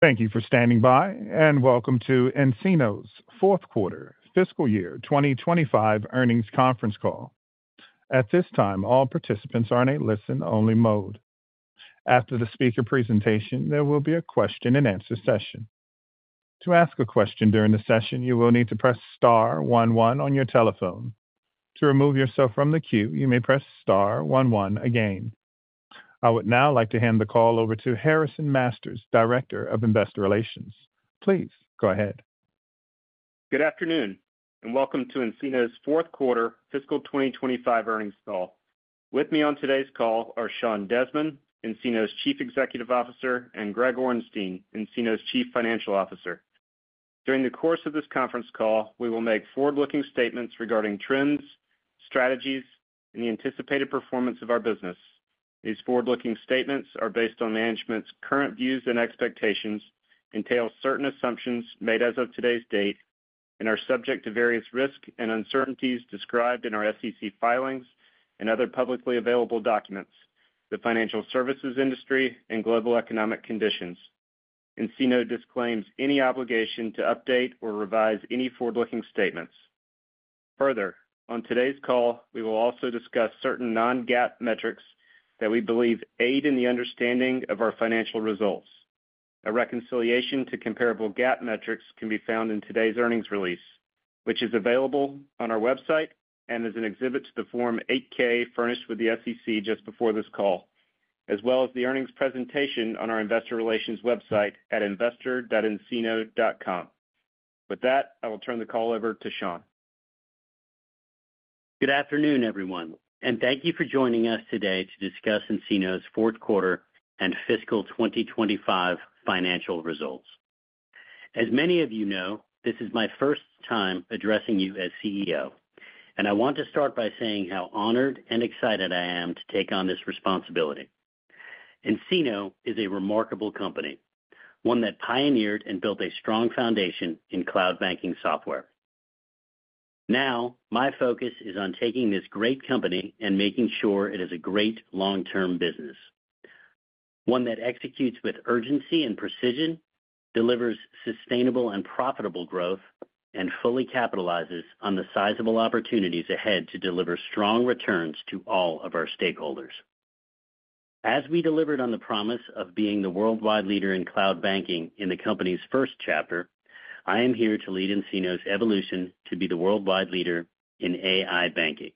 Thank you for standing by, and welcome to nCino's 4th Quarter Fiscal Year 2025 Earnings Conference Call. At this time, all participants are in a listen-only mode. After the speaker presentation, there will be a question and answer session. To ask a question during the session, you will need to press star one one on your telephone. To remove yourself from the queue, you may press star one one again. I would now like to hand the call over to Harrison Masters, Director of Investor Relations. Please go ahead. Good afternoon, and welcome to nCino's 4th quarter Fiscal 2025 Earnings Call. With me on today's call are Sean Desmond, nCino's Chief Executive Officer, and Greg Orenstein, nCino's Chief Financial Officer. During the course of this conference call, we will make forward-looking statements regarding trends, strategies, and the anticipated performance of our business. These forward-looking statements are based on management's current views and expectations, entail certain assumptions made as of today's date and are subject to various risks and uncertainties described in our SEC filings and other publicly available documents, the financial services industry, and global economic conditions. nCino disclaims any obligation to update or revise any forward-looking statements. Further, on today's call, we will also discuss certain non-GAAP metrics that we believe aid in the understanding of our financial results. A reconciliation to comparable GAAP metrics can be found in today's earnings release, which is available on our website and is an exhibit to the Form 8-K furnished with the SEC just before this call, as well as the earnings presentation on our investor relations website at investor.ncino.com. With that, I will turn the call over to Sean. Good afternoon, everyone, and thank you for joining us today to discuss nCino's 4th Quarter and Fiscal 2025 financial results. As many of you know, this is my first time addressing you as CEO, and I want to start by saying how honored and excited I am to take on this responsibility. nCino is a remarkable company, one that pioneered and built a strong foundation in cloud banking software. Now, my focus is on taking this great company and making sure it is a great long-term business, one that executes with urgency and precision, delivers sustainable and profitable growth, and fully capitalizes on the sizable opportunities ahead to deliver strong returns to all of our stakeholders. As we delivered on the promise of being the worldwide leader in cloud banking in the company's first chapter, I am here to lead nCino's evolution to be the worldwide leader in AI banking.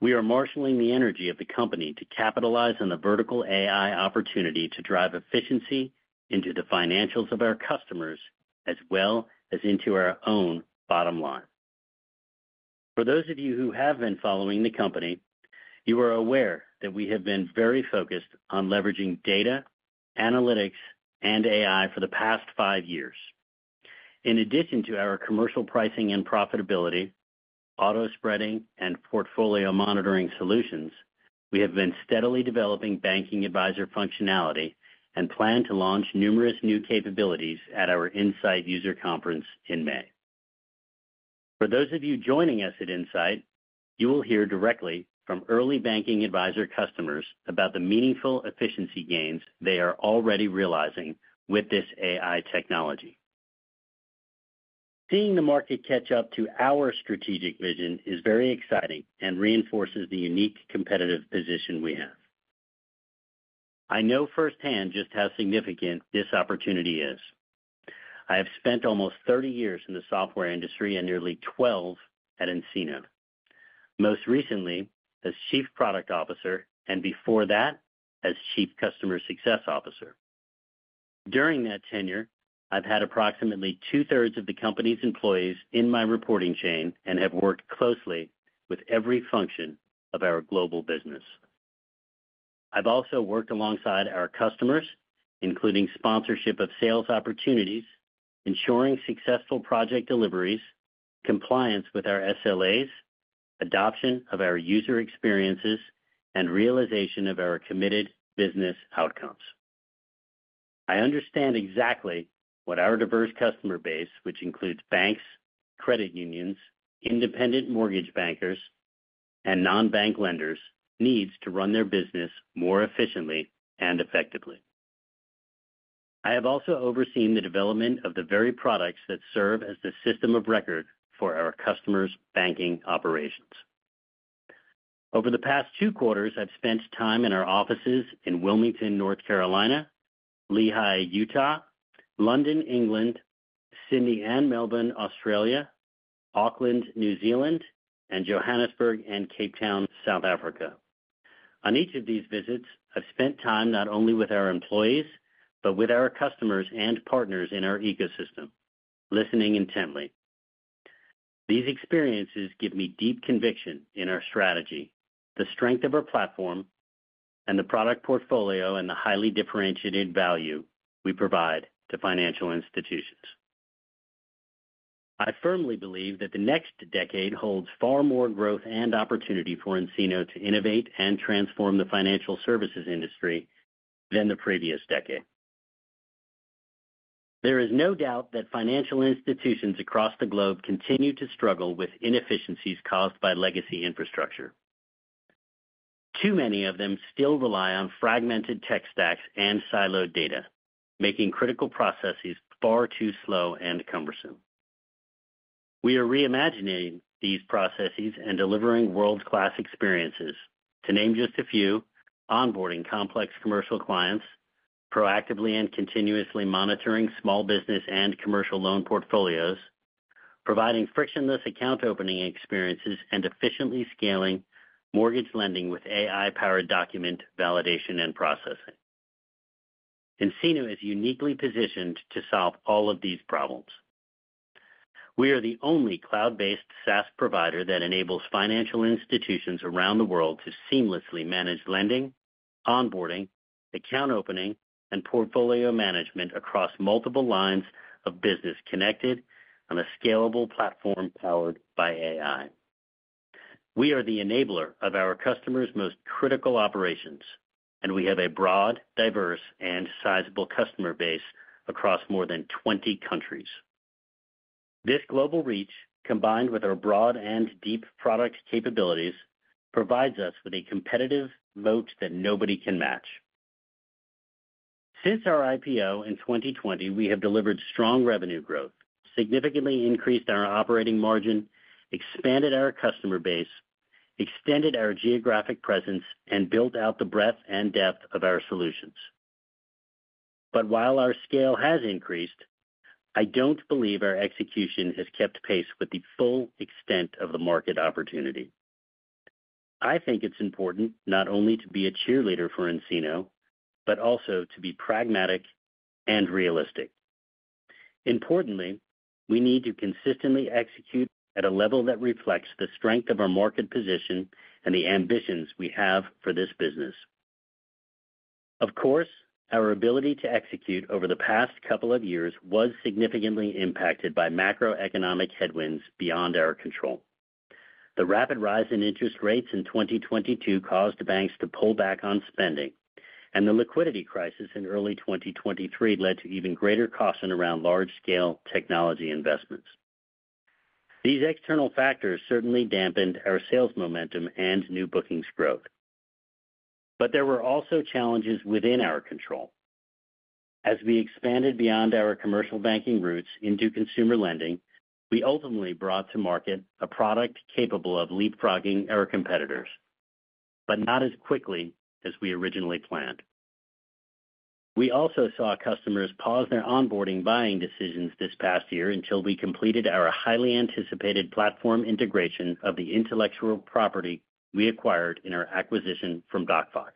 We are marshaling the energy of the company to capitalize on the vertical AI opportunity to drive efficiency into the financials of our customers as well as into our own bottom line. For those of you who have been following the company, you are aware that we have been very focused on leveraging data, analytics, and AI for the past five years. In addition to our commercial pricing and profitability, auto spreading, and portfolio monitoring solutions, we have been steadily developing banking advisor functionality and plan to launch numerous new capabilities at our Insight user conference in May. For those of you joining us at Insight, you will hear directly from early banking advisor customers about the meaningful efficiency gains they are already realizing with this AI technology. Seeing the market catch up to our strategic vision is very exciting and reinforces the unique competitive position we have. I know firsthand just how significant this opportunity is. I have spent almost 30 years in the software industry and nearly 12 at nCino. Most recently, as Chief Product Officer and before that, as Chief Customer Success Officer. During that tenure, I've had approximately two-thirds of the company's employees in my reporting chain and have worked closely with every function of our global business. I've also worked alongside our customers, including sponsorship of sales opportunities, ensuring successful project deliveries, compliance with our SLAs, adoption of our user experiences, and realization of our committed business outcomes. I understand exactly what our diverse customer base, which includes banks, credit unions, independent mortgage bankers, and non-bank lenders, needs to run their business more efficiently and effectively. I have also overseen the development of the very products that serve as the system of record for our customers' banking operations. Over the past two quarters, I've spent time in our offices in Wilmington, North Carolina, Lehi, Utah, London, England, Sydney and Melbourne, Australia, Auckland, New Zealand, and Johannesburg and Cape Town, South Africa. On each of these visits, I've spent time not only with our employees but with our customers and partners in our ecosystem, listening intently. These experiences give me deep conviction in our strategy, the strength of our platform, and the product portfolio and the highly differentiated value we provide to financial institutions. I firmly believe that the next decade holds far more growth and opportunity for nCino to innovate and transform the financial services industry than the previous decade. There is no doubt that financial institutions across the globe continue to struggle with inefficiencies caused by legacy infrastructure. Too many of them still rely on fragmented tech stacks and siloed data, making critical processes far too slow and cumbersome. We are reimagining these processes and delivering world-class experiences, to name just a few: onboarding complex commercial clients, proactively and continuously monitoring small business and commercial loan portfolios, providing frictionless account opening experiences, and efficiently scaling mortgage lending with AI-powered document validation and processing. nCino is uniquely positioned to solve all of these problems. We are the only cloud-based SaaS provider that enables financial institutions around the world to seamlessly manage lending, onboarding, account opening, and portfolio management across multiple lines of business connected on a scalable platform powered by AI. We are the enabler of our customers' most critical operations, and we have a broad, diverse, and sizable customer base across more than 20 countries. This global reach, combined with our broad and deep product capabilities, provides us with a competitive moat that nobody can match. Since our IPO in 2020, we have delivered strong revenue growth, significantly increased our operating margin, expanded our customer base, extended our geographic presence, and built out the breadth and depth of our solutions. While our scale has increased, I do not believe our execution has kept pace with the full extent of the market opportunity. I think it is important not only to be a cheerleader for nCino, but also to be pragmatic and realistic. Importantly, we need to consistently execute at a level that reflects the strength of our market position and the ambitions we have for this business. Of course, our ability to execute over the past couple of years was significantly impacted by macroeconomic headwinds beyond our control. The rapid rise in interest rates in 2022 caused banks to pull back on spending, and the liquidity crisis in early 2023 led to even greater costs around large-scale technology investments. These external factors certainly dampened our sales momentum and new bookings growth. There were also challenges within our control. As we expanded beyond our commercial banking routes into consumer lending, we ultimately brought to market a product capable of leapfrogging our competitors, but not as quickly as we originally planned. We also saw customers pause their onboarding buying decisions this past year until we completed our highly anticipated platform integration of the intellectual property we acquired in our acquisition from DocFox.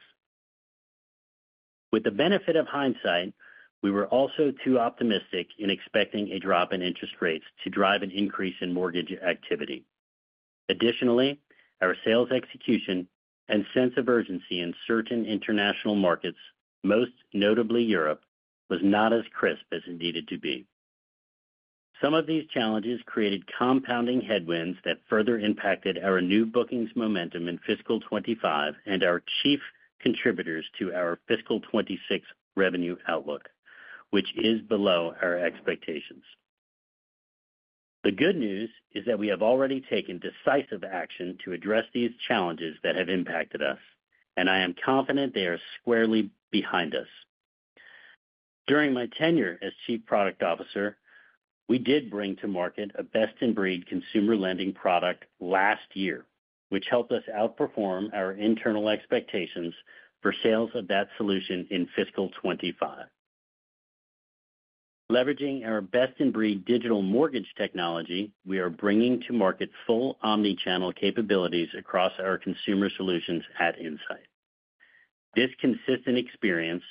With the benefit of hindsight, we were also too optimistic in expecting a drop in interest rates to drive an increase in mortgage activity. Additionally, our sales execution and sense of urgency in certain international markets, most notably Europe, was not as crisp as it needed to be. Some of these challenges created compounding headwinds that further impacted our new bookings momentum in Fiscal 2025 and are chief contributors to our Fiscal 2026 revenue outlook, which is below our expectations. The good news is that we have already taken decisive action to address these challenges that have impacted us, and I am confident they are squarely behind us. During my tenure as Chief Product Officer, we did bring to market a best-in-breed consumer lending product last year, which helped us outperform our internal expectations for sales of that solution in Fiscal 2025. Leveraging our best-in-breed digital mortgage technology, we are bringing to market full omnichannel capabilities across our consumer solutions at Insight. This consistent experience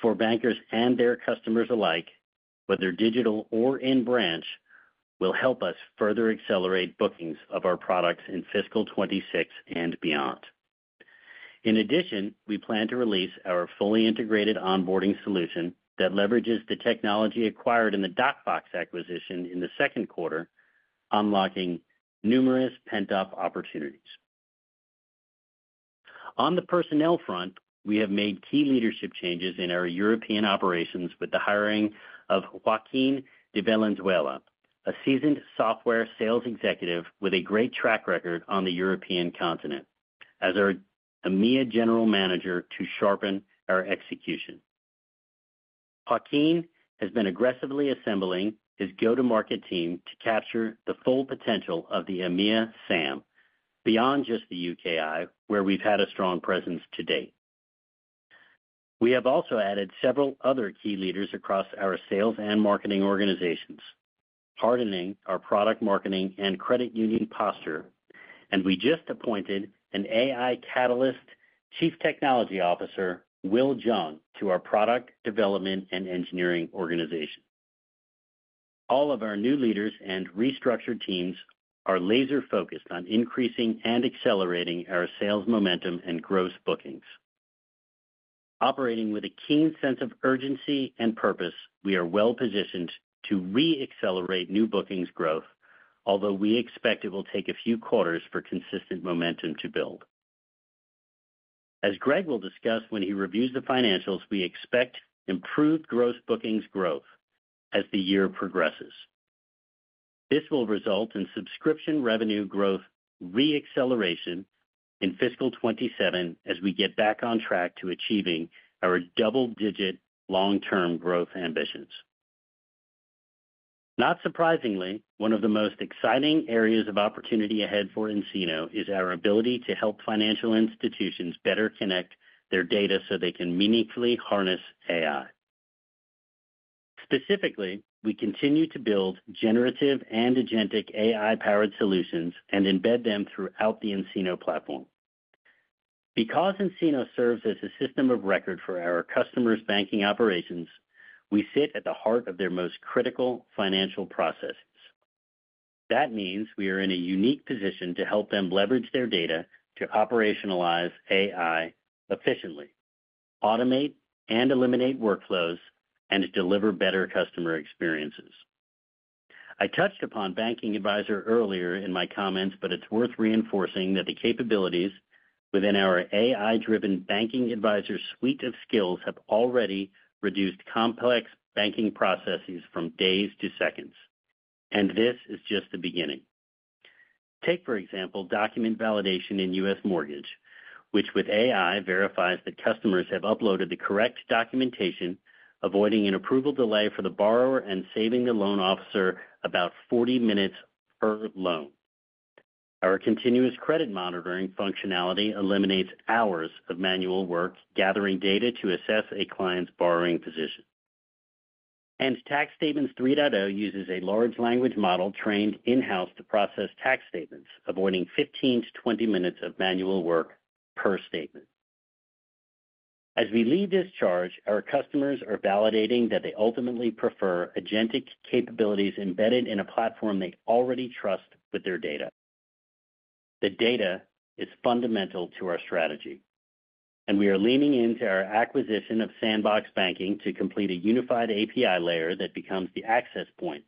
for bankers and their customers alike, whether digital or in branch, will help us further accelerate bookings of our products in Fiscal 2026 and beyond. In addition, we plan to release our fully integrated onboarding solution that leverages the technology acquired in the DocFox acquisition in the second quarter, unlocking numerous pent-up opportunities. On the personnel front, we have made key leadership changes in our European operations with the hiring of Joaquin De Valenzuela, a seasoned software sales executive with a great track record on the European continent, as our EMEA General Manager to sharpen our execution. Joaquin has been aggressively assembling his go-to-market team to capture the full potential of the EMEA SAM beyond just the U.K.I., where we've had a strong presence to date. We have also added several other key leaders across our sales and marketing organizations, hardening our product marketing and credit union posture, and we just appointed an AI catalyst Chief Technology Officer, Will Zhang, to our product development and engineering organization. All of our new leaders and restructured teams are laser-focused on increasing and accelerating our sales momentum and gross bookings. Operating with a keen sense of urgency and purpose, we are well-positioned to re-accelerate new bookings growth, although we expect it will take a few quarters for consistent momentum to build. As Greg will discuss when he reviews the financials, we expect improved gross bookings growth as the year progresses. This will result in subscription revenue growth re-acceleration in Fiscal 2027 as we get back on track to achieving our double-digit long-term growth ambitions. Not surprisingly, one of the most exciting areas of opportunity ahead for nCino is our ability to help financial institutions better connect their data so they can meaningfully harness AI. Specifically, we continue to build generative and agentic AI-powered solutions and embed them throughout the nCino platform. Because nCino serves as a system of record for our customers' banking operations, we sit at the heart of their most critical financial processes. That means we are in a unique position to help them leverage their data to operationalize AI efficiently, automate and eliminate workflows, and deliver better customer experiences. I touched upon banking advisor earlier in my comments, but it's worth reinforcing that the capabilities within our AI-driven Banking Advisor suite of skills have already reduced complex banking processes from days to seconds, and this is just the beginning. Take, for example, document validation in U.S. Mortgage, which with AI verifies that customers have uploaded the correct documentation, avoiding an approval delay for the borrower and saving the loan officer about 40 minutes per loan. Our continuous credit monitoring functionality eliminates hours of manual work gathering data to assess a client's borrowing position. Tax statements 3.0 uses a large language model trained in-house to process tax statements, avoiding 15 minutes to 20 minutes of manual work per statement. As we lead this charge, our customers are validating that they ultimately prefer agentic capabilities embedded in a platform they already trust with their data. The data is fundamental to our strategy, and we are leaning into our acquisition of Sandbox Banking to complete a unified API layer that becomes the access point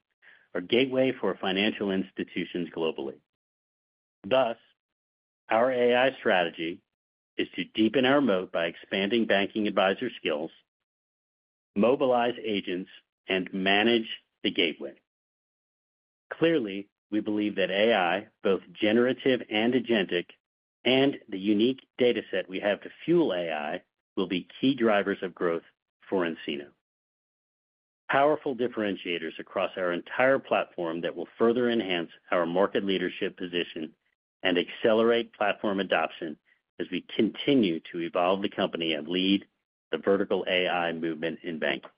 or gateway for financial institutions globally. Thus, our AI strategy is to deepen our moat by expanding banking advisor skills, mobilize agents, and manage the gateway. Clearly, we believe that AI, both generative and agentic, and the unique dataset we have to fuel AI will be key drivers of growth for nCino. Powerful differentiators across our entire platform that will further enhance our market leadership position and accelerate platform adoption as we continue to evolve the company and lead the vertical AI movement in banking.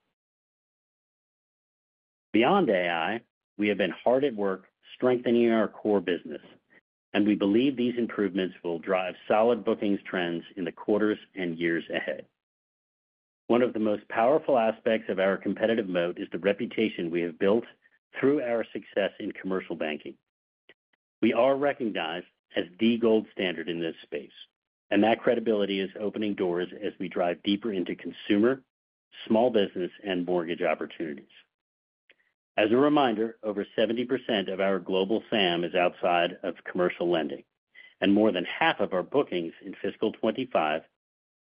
Beyond AI, we have been hard at work strengthening our core business, and we believe these improvements will drive solid bookings trends in the quarters and years ahead. One of the most powerful aspects of our competitive moat is the reputation we have built through our success in commercial banking. We are recognized as the gold standard in this space, and that credibility is opening doors as we drive deeper into consumer, small business, and mortgage opportunities. As a reminder, over 70% of our global SAM is outside of commercial lending, and more than half of our bookings in Fiscal 2025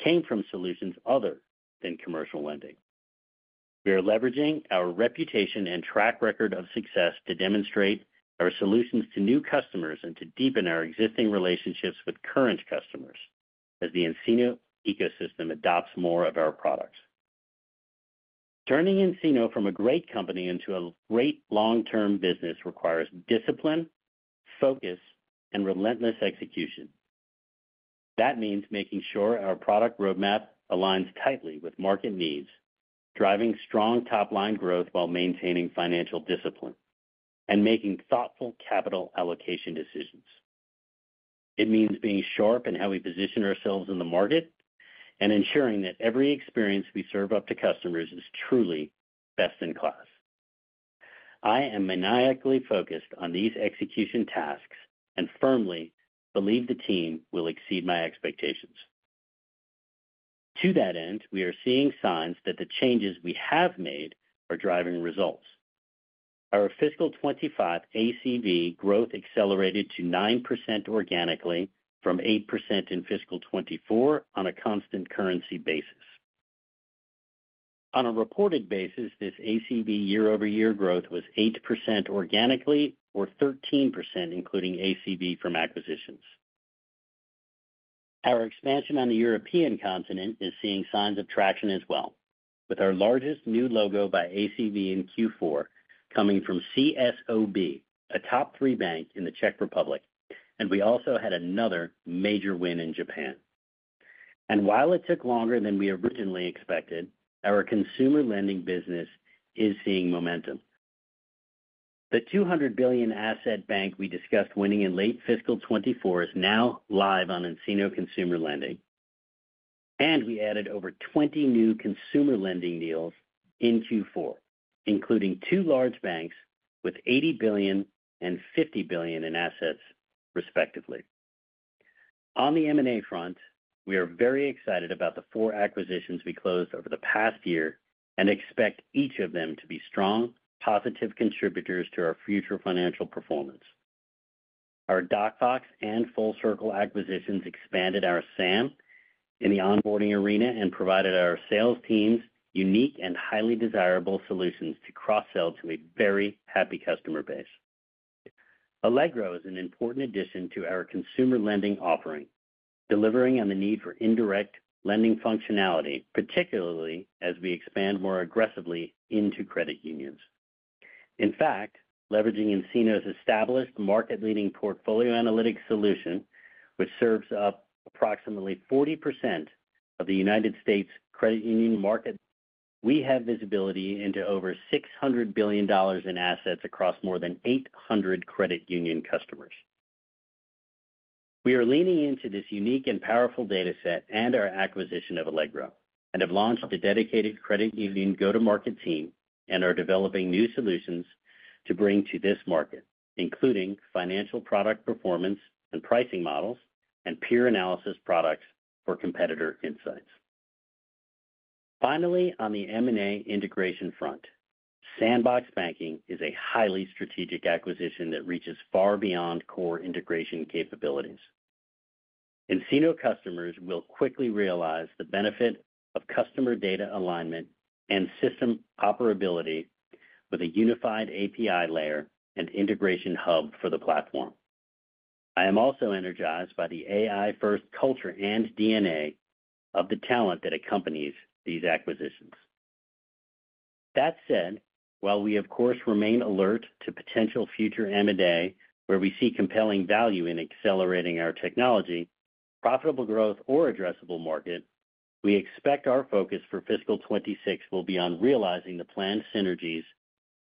came from solutions other than commercial lending. We are leveraging our reputation and track record of success to demonstrate our solutions to new customers and to deepen our existing relationships with current customers as the nCino ecosystem adopts more of our products. Turning nCino from a great company into a great long-term business requires discipline, focus, and relentless execution. That means making sure our product roadmap aligns tightly with market needs, driving strong top-line growth while maintaining financial discipline, and making thoughtful capital allocation decisions. It means being sharp in how we position ourselves in the market and ensuring that every experience we serve up to customers is truly best in class. I am maniacally focused on these execution tasks and firmly believe the team will exceed my expectations. To that end, we are seeing signs that the changes we have made are driving results. Our Fiscal 2025 ACV growth accelerated to 9% organically from 8% in Fiscal 2024 on a constant currency basis. On a reported basis, this ACV year-over-year growth was 8% organically or 13% including ACV from acquisitions. Our expansion on the European continent is seeing signs of traction as well, with our largest new logo by ACV in Q4 coming from CSOB, a top-three bank in the Czech Republic, and we also had another major win in Japan. While it took longer than we originally expected, our consumer lending business is seeing momentum. The $200 billion asset bank we discussed winning in late Fiscal 2024 is now live on nCino consumer lending, and we added over 20 new consumer lending deals in Q4, including two large banks with $80 billion and $50 billion in assets, respectively. On the M&A front, we are very excited about the four acquisitions we closed over the past year and expect each of them to be strong, positive contributors to our future financial performance. Our DocFox and Full Circle acquisitions expanded our SAM in the onboarding arena and provided our sales teams unique and highly desirable solutions to cross-sell to a very happy customer base. Allegro is an important addition to our consumer lending offering, delivering on the need for indirect lending functionality, particularly as we expand more aggressively into credit unions. In fact, leveraging nCino's established market-leading portfolio analytics solution, which serves up approximately 40% of the U.S. credit union market, we have visibility into over $600 billion in assets across more than 800 credit union customers. We are leaning into this unique and powerful dataset and our acquisition of Allegro and have launched a dedicated credit union go-to-market team and are developing new solutions to bring to this market, including financial product performance and pricing models and peer analysis products for competitor insights. Finally, on the M&A integration front, Sandbox Banking is a highly strategic acquisition that reaches far beyond core integration capabilities. nCino customers will quickly realize the benefit of customer data alignment and system operability with a unified API layer and integration hub for the platform. I am also energized by the AI-first culture and DNA of the talent that accompanies these acquisitions. That said, while we, of course, remain alert to potential future M&A where we see compelling value in accelerating our technology, profitable growth, or addressable market, we expect our focus for Fiscal 2026 will be on realizing the planned synergies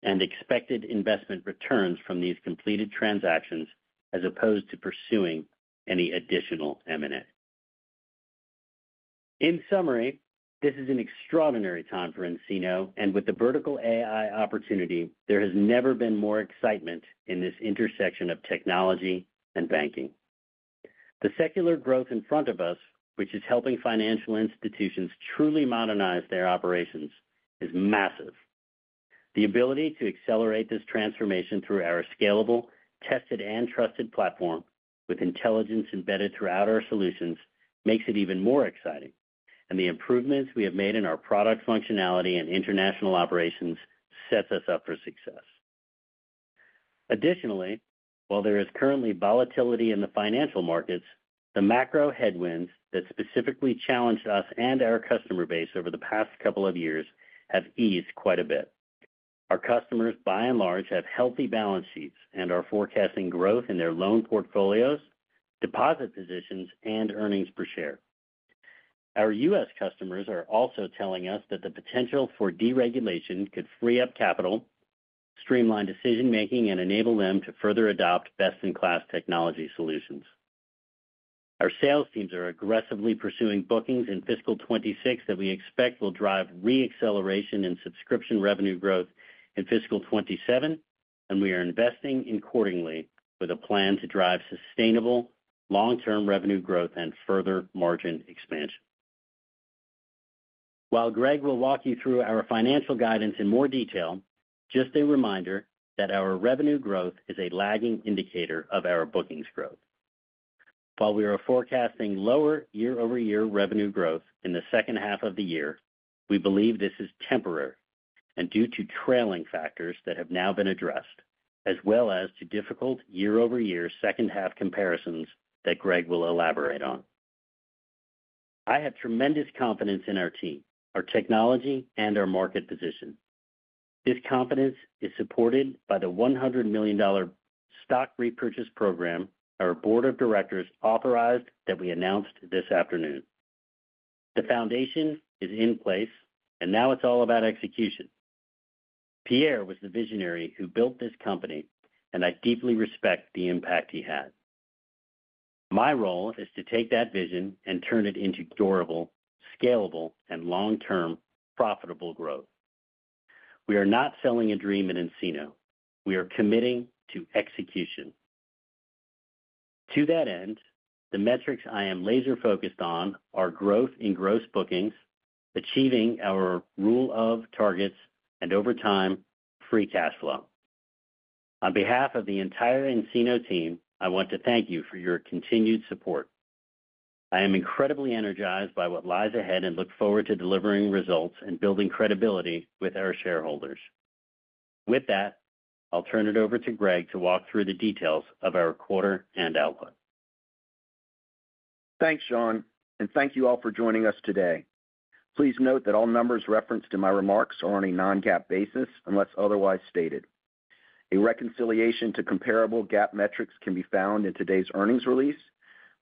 and expected investment returns from these completed transactions as opposed to pursuing any additional M&A. In summary, this is an extraordinary time for nCino, and with the vertical AI opportunity, there has never been more excitement in this intersection of technology and banking. The secular growth in front of us, which is helping financial institutions truly modernize their operations, is massive. The ability to accelerate this transformation through our scalable, tested, and trusted platform with intelligence embedded throughout our solutions makes it even more exciting, and the improvements we have made in our product functionality and international operations set us up for success. Additionally, while there is currently volatility in the financial markets, the macro headwinds that specifically challenged us and our customer base over the past couple of years have eased quite a bit. Our customers, by and large, have healthy balance sheets and are forecasting growth in their loan portfolios, deposit positions, and earnings per share. Our U.S. customers are also telling us that the potential for deregulation could free up capital, streamline decision-making, and enable them to further adopt best-in-class technology solutions. Our sales teams are aggressively pursuing bookings in Fiscal 2026 that we expect will drive re-acceleration in subscription revenue growth in Fiscal 2027, and we are investing accordingly with a plan to drive sustainable long-term revenue growth and further margin expansion. While Greg will walk you through our financial guidance in more detail, just a reminder that our revenue growth is a lagging indicator of our bookings growth. While we are forecasting lower year-over-year revenue growth in the second half of the year, we believe this is temporary and due to trailing factors that have now been addressed, as well as to difficult year-over-year second-half comparisons that Greg will elaborate on. I have tremendous confidence in our team, our technology, and our market position. This confidence is supported by the $100 million stock repurchase program our board of directors authorized that we announced this afternoon. The foundation is in place, and now it's all about execution. Pierre was the visionary who built this company, and I deeply respect the impact he had. My role is to take that vision and turn it into durable, scalable, and long-term profitable growth. We are not selling a dream at nCino. We are committing to execution. To that end, the metrics I am laser-focused on are growth in gross bookings, achieving our rule of 40 targets, and over time, free cash flow. On behalf of the entire nCino team, I want to thank you for your continued support. I am incredibly energized by what lies ahead and look forward to delivering results and building credibility with our shareholders. With that, I'll turn it over to Greg to walk through the details of our quarter and outlook. Thanks, Sean, and thank you all for joining us today. Please note that all numbers referenced in my remarks are on a non-GAAP basis unless otherwise stated. A reconciliation to comparable GAAP metrics can be found in today's earnings release,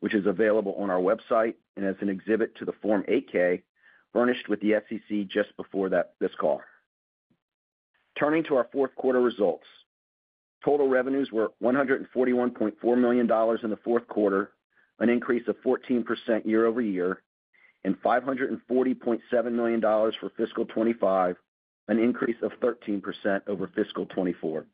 which is available on our website and as an exhibit to the Form 8-K furnished with the SEC just before this call. Turning to our fourth quarter results, total revenues were $141.4 million in the fourth quarter, an increase of 14% year-over-year, and $540.7 million for Fiscal 2025, an increase of 13% over Fiscal 2024.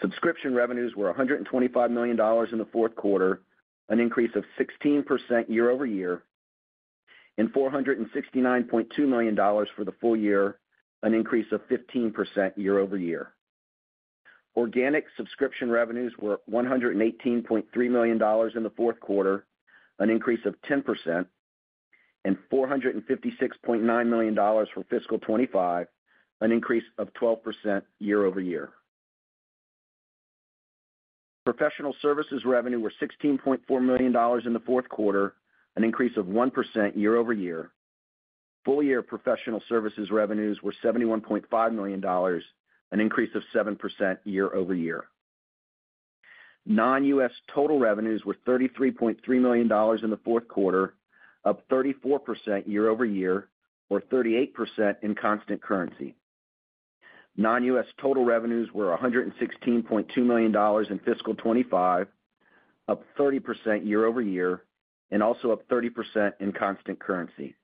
Subscription revenues were $125 million in the fourth quarter, an increase of 16% year-over-year, and $469.2 million for the full year, an increase of 15% year-over-year. Organic subscription revenues were at $118.3 million in the fourth quarter, an increase of 10%, and $456.9 million for Fiscal 2025, an increase of 12% year-over-year. Professional services revenues were $16.4 million in the fourth quarter, an increase of 1% year-over-year. Full-year professional services revenues were $71.5 million, an increase of 7% year-over-year. Non-U.S. total revenues were $33.3 million in the fourth quarter, up 34% year-over-year, or 38% in constant currency. Non-U.S. total revenues were $116.2 million in Fiscal 2025, up 30% year-over-year, and also up 30% in constant currency.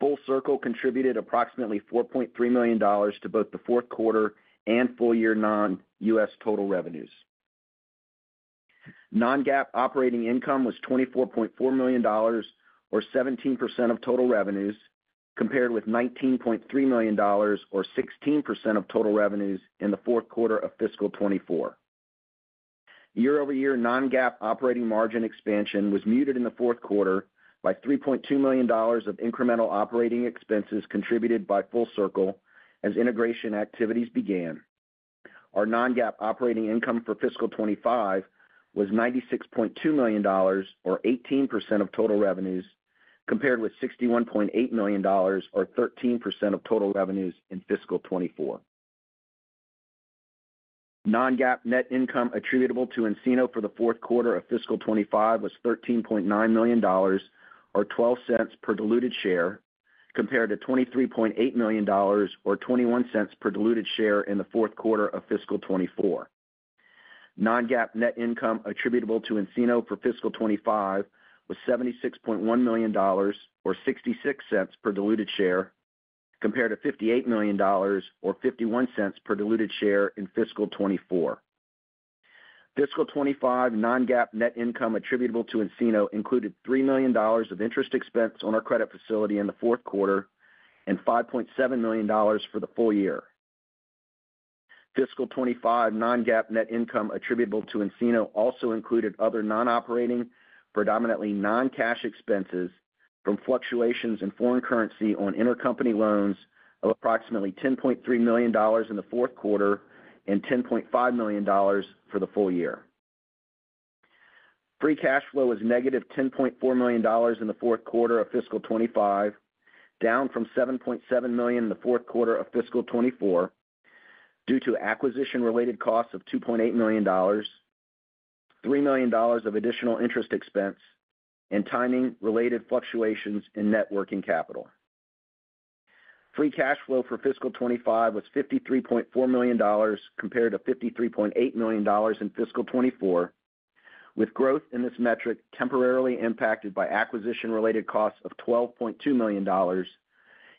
Full Circle contributed approximately $4.3 million to both the fourth quarter and full-year non-U.S. total revenues. Non-GAAP operating income was $24.4 million, or 17% of total revenues, compared with $19.3 million, or 16% of total revenues in the fourth quarter of Fiscal 2024. Year-over-year non-GAAP operating margin expansion was muted in the fourth quarter by $3.2 million of incremental operating expenses contributed by Full Circle as integration activities began. Our non-GAAP operating income for Fiscal 2025 was $96.2 million, or 18% of total revenues, compared with $61.8 million, or 13% of total revenues in Fiscal 2024. Non-GAAP net income attributable to nCino for the fourth quarter of Fiscal 2025 was $13.9 million, or $0.12 per diluted share, compared to $23.8 million, or $0.21 per diluted share in the fourth quarter of Fiscal 2024. Non-GAAP net income attributable to nCino for Fiscal 2025 was $76.1 million, or $0.66 per diluted share, compared to $58 million, or $0.51 per diluted share in Fiscal 2024. Fiscal 2025 non-GAAP net income attributable to nCino included $3 million of interest expense on our credit facility in the fourth quarter and $5.7 million for the full year. Fiscal 2025 non-GAAP net income attributable to nCino also included other non-operating, predominantly non-cash expenses from fluctuations in foreign currency on intercompany loans of approximately $10.3 million in the fourth quarter and $10.5 million for the full year. Free cash flow was negative $10.4 million in the fourth quarter of Fiscal 2025, down from $7.7 million in the fourth quarter of Fiscal 2024 due to acquisition-related costs of $2.8 million, $3 million of additional interest expense, and timing-related fluctuations in net working capital. Free cash flow for Fiscal 2025 was $53.4 million, compared to $53.8 million in Fiscal 2024, with growth in this metric temporarily impacted by acquisition-related costs of $12.2 million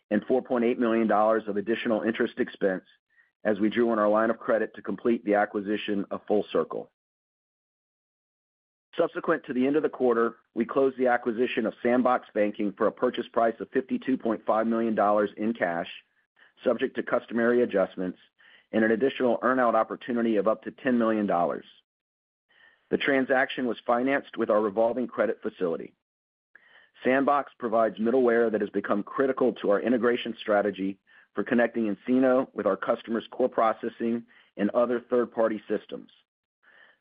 and $4.8 million of additional interest expense as we drew on our line of credit to complete the acquisition of Full Circle. Subsequent to the end of the quarter, we closed the acquisition of Sandbox Banking for a purchase price of $52.5 million in cash, subject to customary adjustments, and an additional earnout opportunity of up to $10 million. The transaction was financed with our revolving credit facility. Sandbox provides middleware that has become critical to our integration strategy for connecting nCino with our customers' core processing and other third-party systems.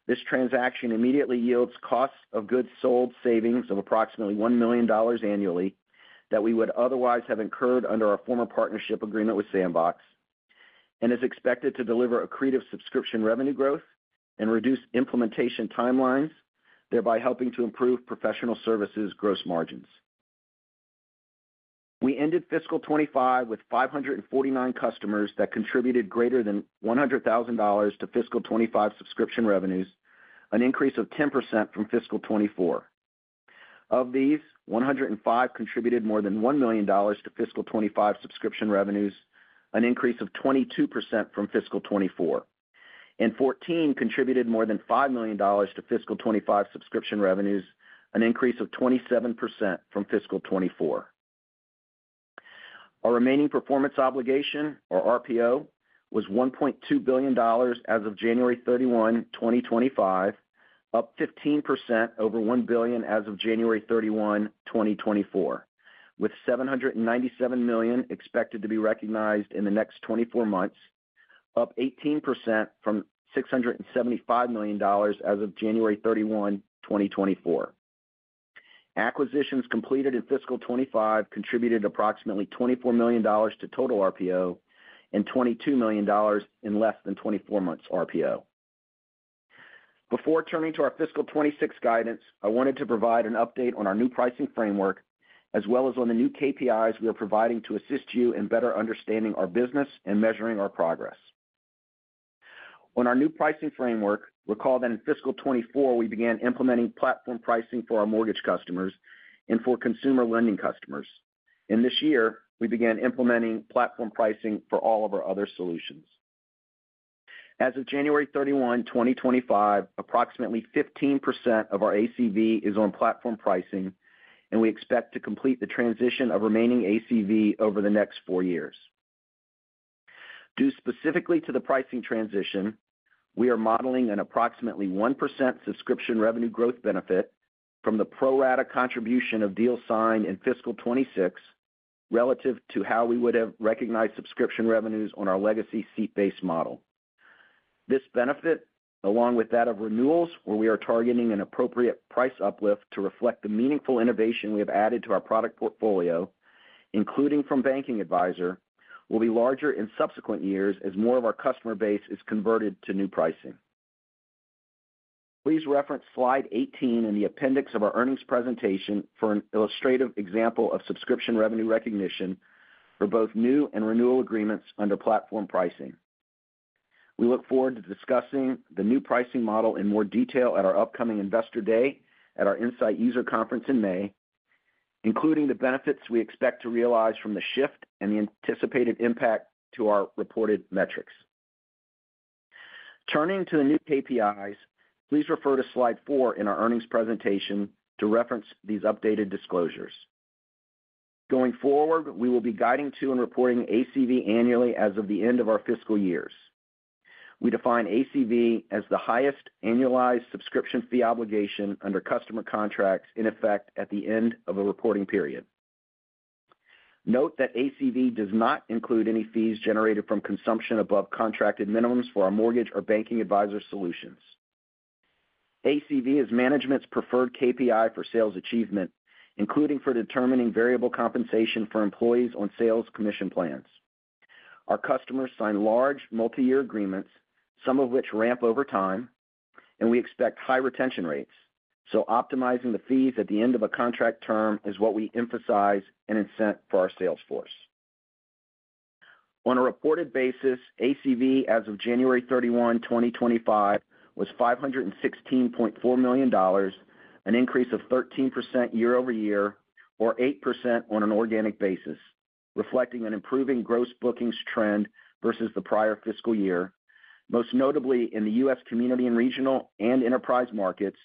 This transaction immediately yields cost of goods sold savings of approximately $1 million annually that we would otherwise have incurred under our former partnership agreement with Sandbox, and is expected to deliver accretive subscription revenue growth and reduce implementation timelines, thereby helping to improve professional services gross margins. We ended Fiscal 2025 with 549 customers that contributed greater than $100,000 to Fiscal 2025 subscription revenues, an increase of 10% from Fiscal 2024. Of these, 105 contributed more than $1 million to Fiscal 2025 subscription revenues, an increase of 22% from Fiscal 2024, and 14 contributed more than $5 million to Fiscal 2025 subscription revenues, an increase of 27% from Fiscal 2024. Our remaining performance obligation, or RPO, was $1.2 billion as of January 31, 2025, up 15% over $1 billion as of January 31, 2024, with $797 million expected to be recognized in the next 24 months, up 18% from $675 million as of January 31, 2024. Acquisitions completed in Fiscal 2025 contributed approximately $24 million to total RPO and $22 million in less than 24 months RPO. Before turning to our Fiscal 2026 guidance, I wanted to provide an update on our new pricing framework, as well as on the new KPIs we are providing to assist you in better understanding our business and measuring our progress. On our new pricing framework, recall that in Fiscal 2024 we began implementing platform pricing for our mortgage customers and for consumer lending customers. In this year, we began implementing platform pricing for all of our other solutions. As of January 31, 2025, approximately 15% of our ACV is on platform pricing, and we expect to complete the transition of remaining ACV over the next four years. Due specifically to the pricing transition, we are modeling an approximately 1% subscription revenue growth benefit from the pro-rata contribution of deals signed in Fiscal 2026 relative to how we would have recognized subscription revenues on our legacy seat-based model. This benefit, along with that of renewals where we are targeting an appropriate price uplift to reflect the meaningful innovation we have added to our product portfolio, including from Banking Advisor, will be larger in subsequent years as more of our customer base is converted to new pricing. Please reference slide 18 in the appendix of our earnings presentation for an illustrative example of subscription revenue recognition for both new and renewal agreements under platform pricing. We look forward to discussing the new pricing model in more detail at our upcoming Investor Day at our Insight user conference in May, including the benefits we expect to realize from the shift and the anticipated impact to our reported metrics. Turning to the new KPIs, please refer to slide 4 in our earnings presentation to reference these updated disclosures. Going forward, we will be guiding to and reporting ACV annually as of the end of our fiscal years. We define ACV as the highest annualized subscription fee obligation under customer contracts in effect at the end of a reporting period. Note that ACV does not include any fees generated from consumption above contracted minimums for our mortgage or Banking Advisor solutions. ACV is management's preferred KPI for sales achievement, including for determining variable compensation for employees on sales commission plans. Our customers sign large, multi-year agreements, some of which ramp over time, and we expect high retention rates. Optimizing the fees at the end of a contract term is what we emphasize and incent for our salesforce. On a reported basis, ACV as of January 31, 2025, was $516.4 million, an increase of 13% year-over-year, or 8% on an organic basis, reflecting on improving gross bookings trend versus the prior fiscal year, most notably in the U.S. community and regional and enterprise markets,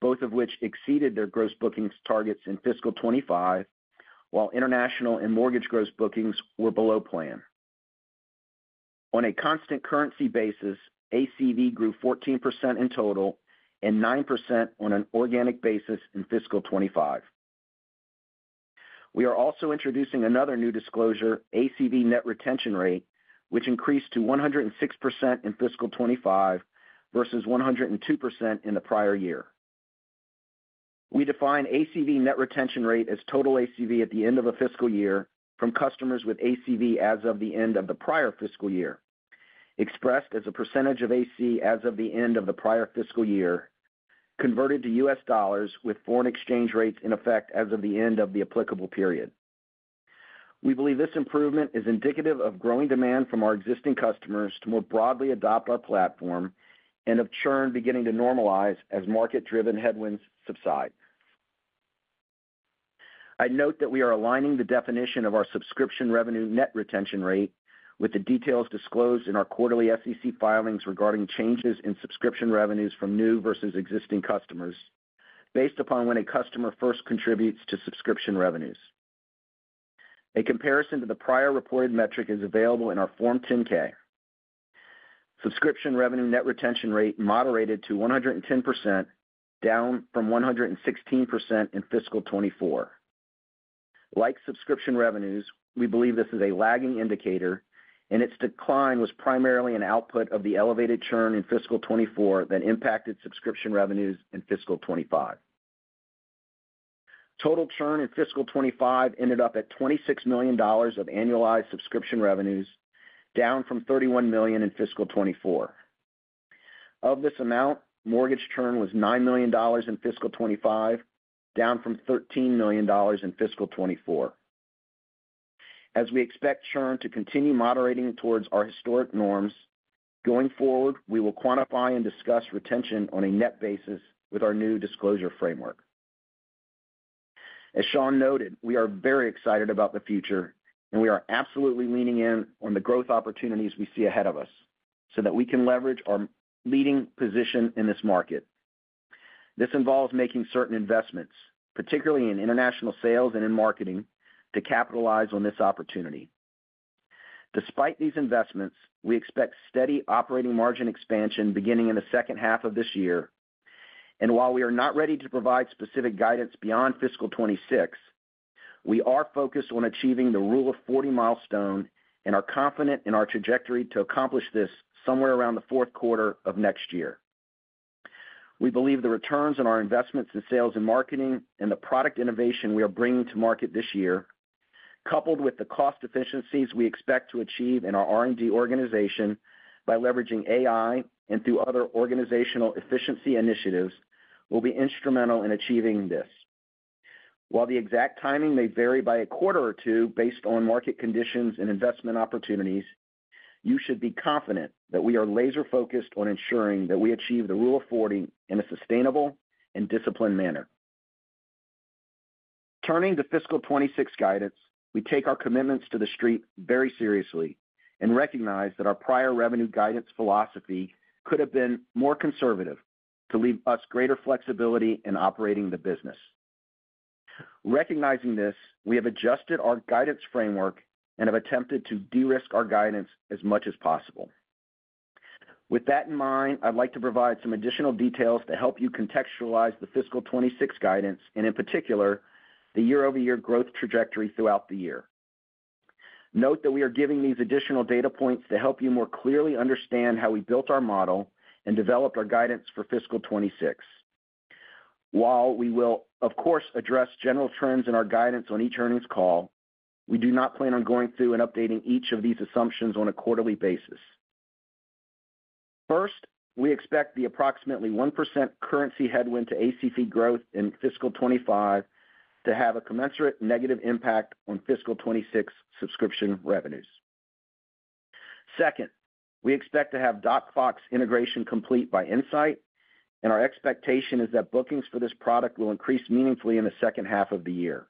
both of which exceeded their gross bookings targets in Fiscal 2025, while international and mortgage gross bookings were below plan. On a constant currency basis, ACV grew 14% in total and 9% on an organic basis in Fiscal 2025. We are also introducing another new disclosure, ACV net retention rate, which increased to 106% in Fiscal 2025 versus 102% in the prior year. We define ACV net retention rate as total ACV at the end of a fiscal year from customers with ACV as of the end of the prior fiscal year, expressed as a percentage of AC as of the end of the prior fiscal year, converted to U.S. dollars with foreign exchange rates in effect as of the end of the applicable period. We believe this improvement is indicative of growing demand from our existing customers to more broadly adopt our platform and of churn beginning to normalize as market-driven headwinds subside. I note that we are aligning the definition of our subscription revenue net retention rate with the details disclosed in our quarterly SEC filings regarding changes in subscription revenues from new versus existing customers, based upon when a customer first contributes to subscription revenues. A comparison to the prior reported metric is available in our Form 10-K. Subscription revenue net retention rate moderated to 110%, down from 116% in Fiscal 2024. Like subscription revenues, we believe this is a lagging indicator, and its decline was primarily an output of the elevated churn in Fiscal 2024 that impacted subscription revenues in Fiscal 2025. Total churn in Fiscal 2025 ended up at $26 million of annualized subscription revenues, down from $31 million in Fiscal 2024. Of this amount, mortgage churn was $9 million in Fiscal 2025, down from $13 million in Fiscal 2024. As we expect churn to continue moderating towards our historic norms, going forward, we will quantify and discuss retention on a net basis with our new disclosure framework. As Sean noted, we are very excited about the future, and we are absolutely leaning in on the growth opportunities we see ahead of us so that we can leverage our leading position in this market. This involves making certain investments, particularly in international sales and in marketing, to capitalize on this opportunity. Despite these investments, we expect steady operating margin expansion beginning in the second half of this year. While we are not ready to provide specific guidance beyond Fiscal 2026, we are focused on achieving the Rule of 40 milestone and are confident in our trajectory to accomplish this somewhere around the fourth quarter of next year. We believe the returns on our investments in sales and marketing and the product innovation we are bringing to market this year, coupled with the cost efficiencies we expect to achieve in our R&D organization by leveraging AI and through other organizational efficiency initiatives, will be instrumental in achieving this. While the exact timing may vary by a quarter or two based on market conditions and investment opportunities, you should be confident that we are laser-focused on ensuring that we achieve the Rule of 40 in a sustainable and disciplined manner. Turning to Fiscal 2026 guidance, we take our commitments to the street very seriously and recognize that our prior revenue guidance philosophy could have been more conservative to leave us greater flexibility in operating the business. Recognizing this, we have adjusted our guidance framework and have attempted to de-risk our guidance as much as possible. With that in mind, I'd like to provide some additional details to help you contextualize the Fiscal 2026 guidance and, in particular, the year-over-year growth trajectory throughout the year. Note that we are giving these additional data points to help you more clearly understand how we built our model and developed our guidance for Fiscal 2026. While we will, of course, address general trends in our guidance on each earnings call, we do not plan on going through and updating each of these assumptions on a quarterly basis. First, we expect the approximately 1% currency headwind to ACV growth in Fiscal 2025 to have a commensurate negative impact on Fiscal 2026 subscription revenues. Second, we expect to have DocFox integration complete by Insight, and our expectation is that bookings for this product will increase meaningfully in the second half of the year.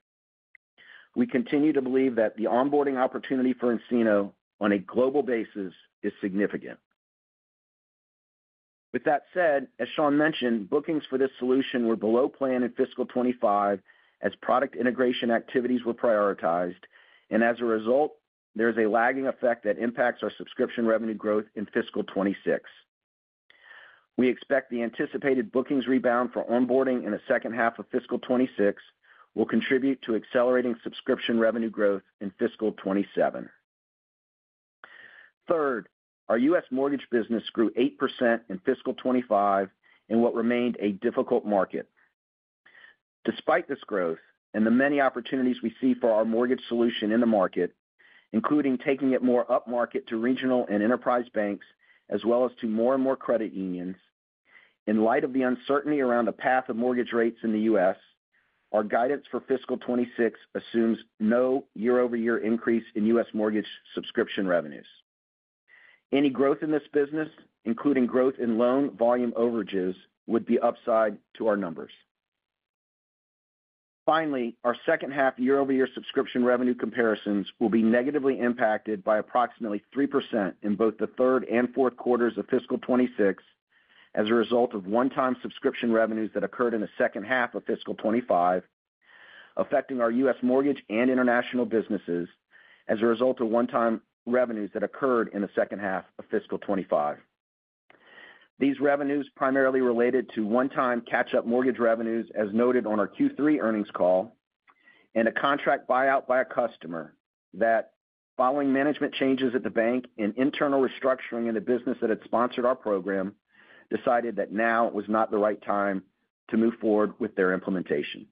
We continue to believe that the onboarding opportunity for nCino on a global basis is significant. With that said, as Sean mentioned, bookings for this solution were below plan in Fiscal 2025 as product integration activities were prioritized, and as a result, there is a lagging effect that impacts our subscription revenue growth in Fiscal 2026. We expect the anticipated bookings rebound for onboarding in the second half of Fiscal 2026 will contribute to accelerating subscription revenue growth in Fiscal 2027. Third, our U.S. mortgage business grew 8% in Fiscal 2025 in what remained a difficult market. Despite this growth and the many opportunities we see for our mortgage solution in the market, including taking it more upmarket to regional and enterprise banks as well as to more and more credit unions, in light of the uncertainty around the path of mortgage rates in the U.S., our guidance for Fiscal 2026 assumes no year-over-year increase in U.S. mortgage subscription revenues. Any growth in this business, including growth in loan volume overages, would be upside to our numbers. Finally, our second half year-over-year subscription revenue comparisons will be negatively impacted by approximately 3% in both the third and fourth quarters of Fiscal 2026 as a result of one-time subscription revenues that occurred in the second half of Fiscal 2025, affecting our U.S. mortgage and international businesses as a result of one-time revenues that occurred in the second half of Fiscal 2025. These revenues primarily related to one-time catch-up mortgage revenues as noted on our Q3 earnings call and a contract buyout by a customer that, following management changes at the bank and internal restructuring in the business that had sponsored our program, decided that now it was not the right time to move forward with their implementation.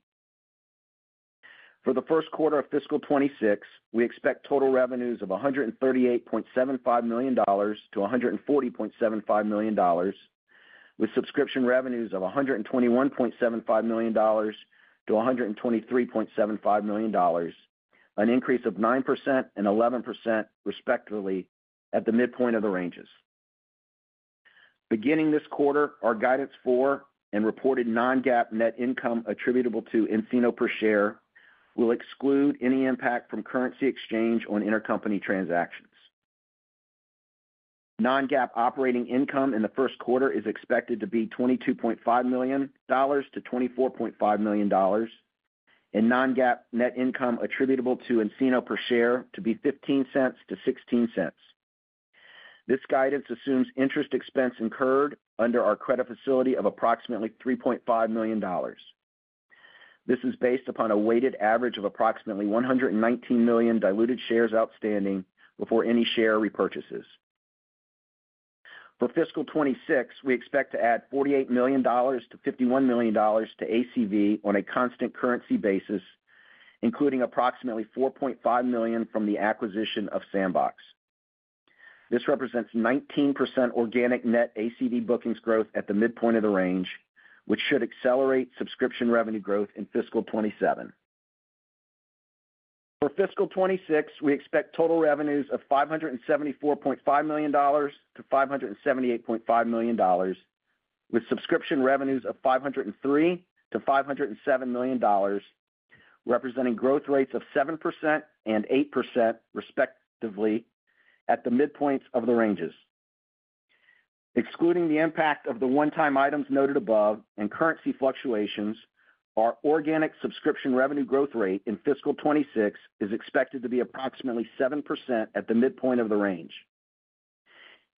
For the first quarter of Fiscal 2026, we expect total revenues of $138.75 million to $140.75 million, with subscription revenues of $121.75 million to $123.75 million, an increase of 9% and 11% respectively at the midpoint of the ranges. Beginning this quarter, our guidance for and reported non-GAAP net income attributable to nCino per share will exclude any impact from currency exchange on intercompany transactions. Non-GAAP operating income in the first quarter is expected to be $22.5 million to $24.5 million, and non-GAAP net income attributable to nCino per share to be $0.15 to $0.16. This guidance assumes interest expense incurred under our credit facility of approximately $3.5 million. This is based upon a weighted average of approximately 119 million diluted shares outstanding before any share repurchases. For Fiscal 2026, we expect to add $48 million to $51 million to ACV on a constant currency basis, including approximately $4.5 million from the acquisition of Sandbox. This represents 19% organic net ACV bookings growth at the midpoint of the range, which should accelerate subscription revenue growth in Fiscal 2027. For Fiscal 2026, we expect total revenues of $574.5 million to $578.5 million, with subscription revenues of $503 million to $507 million, representing growth rates of 7% and 8% respectively at the midpoints of the ranges. Excluding the impact of the one-time items noted above and currency fluctuations, our organic subscription revenue growth rate in Fiscal 2026 is expected to be approximately 7% at the midpoint of the range.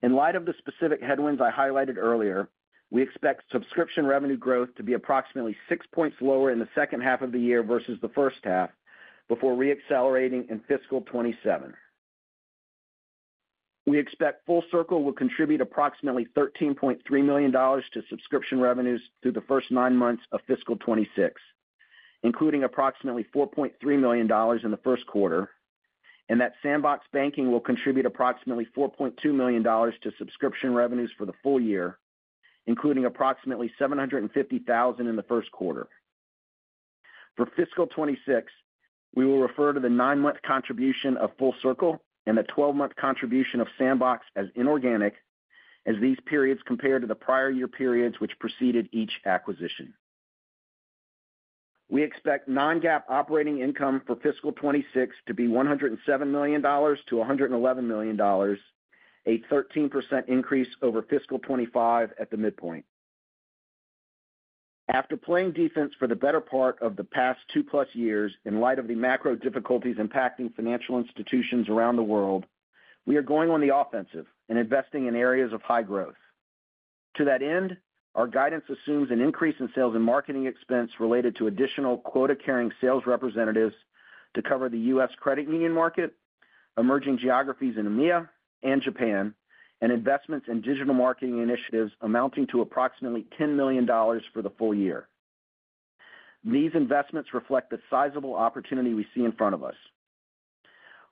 In light of the specific headwinds I highlighted earlier, we expect subscription revenue growth to be approximately 6 percentage points lower in the second half of the year versus the first half before re-accelerating in Fiscal 2027. We expect Full Circle will contribute approximately $13.3 million to subscription revenues through the first nine months of Fiscal 2026, including approximately $4.3 million in the first quarter, and that Sandbox Banking will contribute approximately $4.2 million to subscription revenues for the full year, including approximately $750,000 in the first quarter. For Fiscal 2026, we will refer to the nine-month contribution of Full Circle and the 12-month contribution of Sandbox as inorganic as these periods compared to the prior year periods which preceded each acquisition. We expect non-GAAP operating income for Fiscal 2026 to be $107 million-$111 million, a 13% increase over Fiscal 2025 at the midpoint. After playing defense for the better part of the past two-plus years in light of the macro difficulties impacting financial institutions around the world, we are going on the offensive and investing in areas of high growth. To that end, our guidance assumes an increase in sales and marketing expense related to additional quota-carrying sales representatives to cover the U.S. credit union market, emerging geographies in EMEA and Japan, and investments in digital marketing initiatives amounting to approximately $10 million for the full year. These investments reflect the sizable opportunity we see in front of us.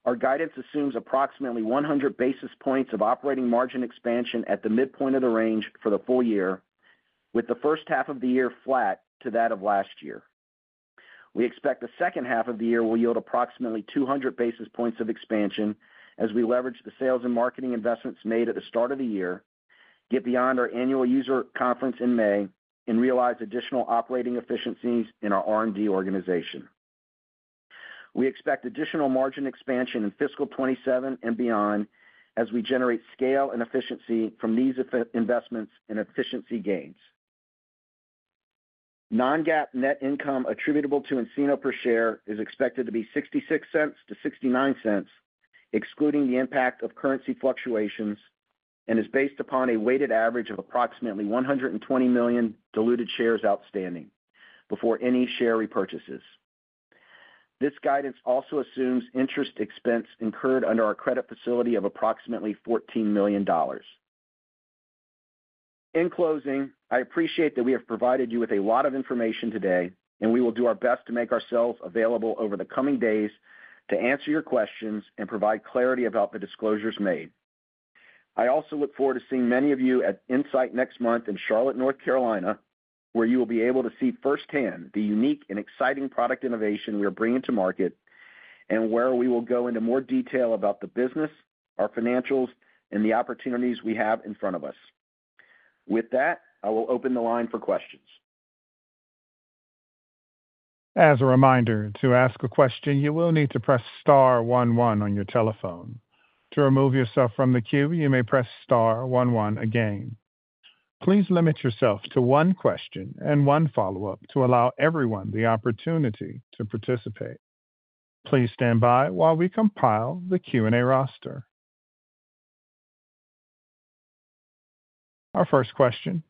Our guidance assumes approximately 100 basis points of operating margin expansion at the midpoint of the range for the full year, with the first half of the year flat to that of last year. We expect the second half of the year will yield approximately 200 basis points of expansion as we leverage the sales and marketing investments made at the start of the year, get beyond our annual user conference in May, and realize additional operating efficiencies in our R&D organization. We expect additional margin expansion in Fiscal 2027 and beyond as we generate scale and efficiency from these investments and efficiency gains. Non-GAAP net income attributable to nCino per share is expected to be $0.66 to $0.69, excluding the impact of currency fluctuations, and is based upon a weighted average of approximately 120 million diluted shares outstanding before any share repurchases. This guidance also assumes interest expense incurred under our credit facility of approximately $14 million. In closing, I appreciate that we have provided you with a lot of information today, and we will do our best to make ourselves available over the coming days to answer your questions and provide clarity about the disclosures made. I also look forward to seeing many of you at Insight next month in Charlotte, North Carolina, where you will be able to see firsthand the unique and exciting product innovation we are bringing to market and where we will go into more detail about the business, our financials, and the opportunities we have in front of us. With that, I will open the line for questions. As a reminder, to ask a question, you will need to press star one one on your telephone. To remove yourself from the queue, you may press star one one again. Please limit yourself to one question and one follow-up to allow everyone the opportunity to participate. Please stand by while we compile the Q&A roster. Our first question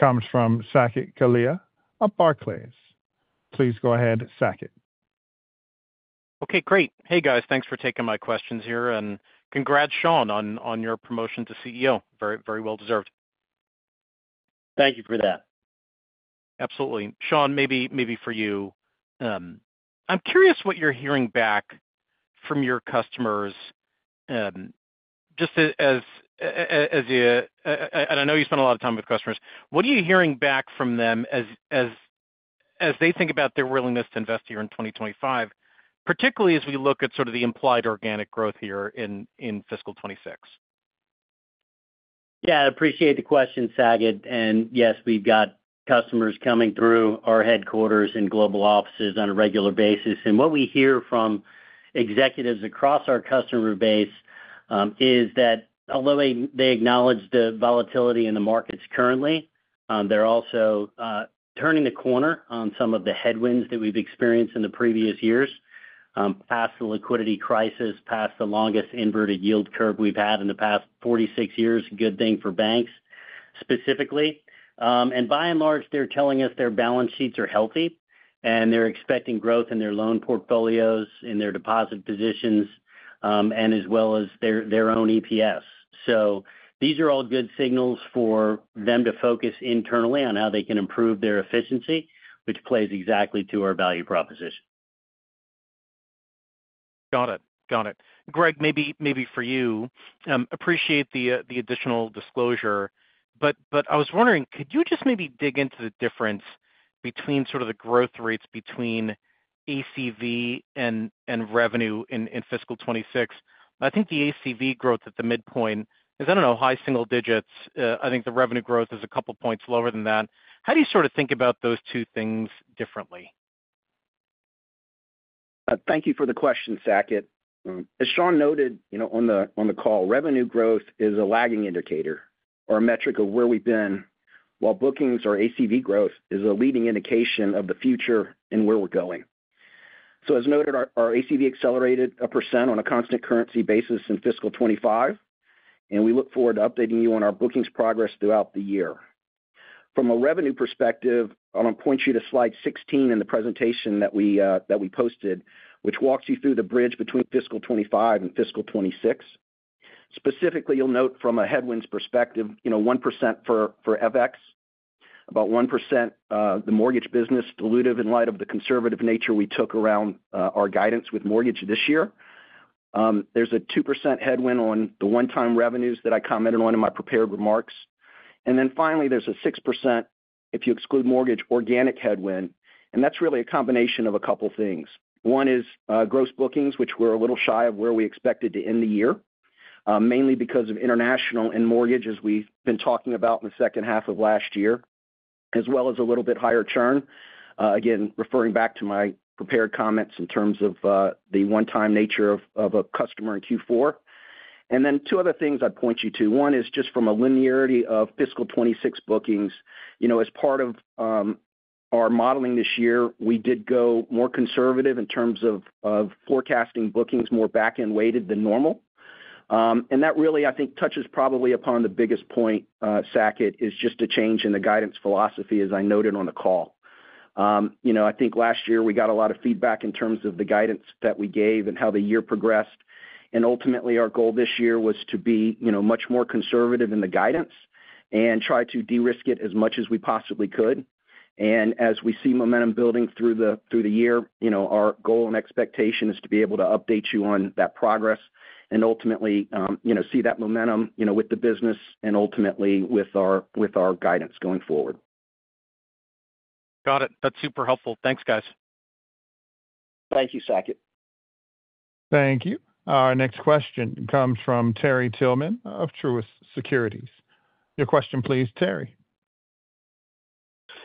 comes from Saket Kalia of Barclays. Please go ahead, Saket. Okay, great. Hey, guys, thanks for taking my questions here. And congrats, Sean, on your promotion to CEO. Very, very well deserved. Thank you for that. Absolutely. Sean, maybe for you. I'm curious what you're hearing back from your customers just as you and I know you spend a lot of time with customers. What are you hearing back from them as they think about their willingness to invest here in 2025, particularly as we look at sort of the implied organic growth here in Fiscal 2026? Yeah, I appreciate the question, Saket. Yes, we've got customers coming through our headquarters and global offices on a regular basis. What we hear from executives across our customer base is that although they acknowledge the volatility in the markets currently, they are also turning the corner on some of the headwinds that we have experienced in the previous years, past the liquidity crisis, past the longest inverted yield curve we have had in the past 46 years, good thing for banks specifically. By and large, they are telling us their balance sheets are healthy, and they are expecting growth in their loan portfolios, in their deposit positions, and as well as their own EPS. These are all good signals for them to focus internally on how they can improve their efficiency, which plays exactly to our value proposition. Got it. Got it. Greg, maybe for you, appreciate the additional disclosure. I was wondering, could you just maybe dig into the difference between sort of the growth rates between ACV and revenue in Fiscal 2026? I think the ACV growth at the midpoint is, I don't know, high single digits. I think the revenue growth is a couple of points lower than that. How do you sort of think about those two things differently? Thank you for the question, Saket. As Sean noted on the call, revenue growth is a lagging indicator or a metric of where we've been, while bookings or ACV growth is a leading indication of the future and where we're going. As noted, our ACV accelerated a percent on a constant currency basis in Fiscal 2025, and we look forward to updating you on our bookings progress throughout the year. From a revenue perspective, I want to point you to slide 16 in the presentation that we posted, which walks you through the bridge between Fiscal 2025 and Fiscal 2026. Specifically, you'll note from a headwinds perspective, 1% for FX, about 1% the mortgage business diluted in light of the conservative nature we took around our guidance with mortgage this year. There is a 2% headwind on the one-time revenues that I commented on in my prepared remarks. Finally, there is a 6%, if you exclude mortgage, organic headwind. That is really a combination of a couple of things. One is gross bookings, which we're a little shy of where we expected to end the year, mainly because of international and mortgage, as we've been talking about in the second half of last year, as well as a little bit higher churn, again, referring back to my prepared comments in terms of the one-time nature of a customer in Q4. Two other things I'd point you to. One is just from a linearity of Fiscal 2026 bookings. As part of our modeling this year, we did go more conservative in terms of forecasting bookings more back-end weighted than normal. That really, I think, touches probably upon the biggest point, Saket, is just a change in the guidance philosophy, as I noted on the call. I think last year we got a lot of feedback in terms of the guidance that we gave and how the year progressed. Ultimately, our goal this year was to be much more conservative in the guidance and try to de-risk it as much as we possibly could. As we see momentum building through the year, our goal and expectation is to be able to update you on that progress and ultimately see that momentum with the business and ultimately with our guidance going forward. Got it. That's super helpful. Thanks, guys. Thank you, Saket. Thank you. Our next question comes from Terry Tillman of Truist Securities. Your question, please, Terry.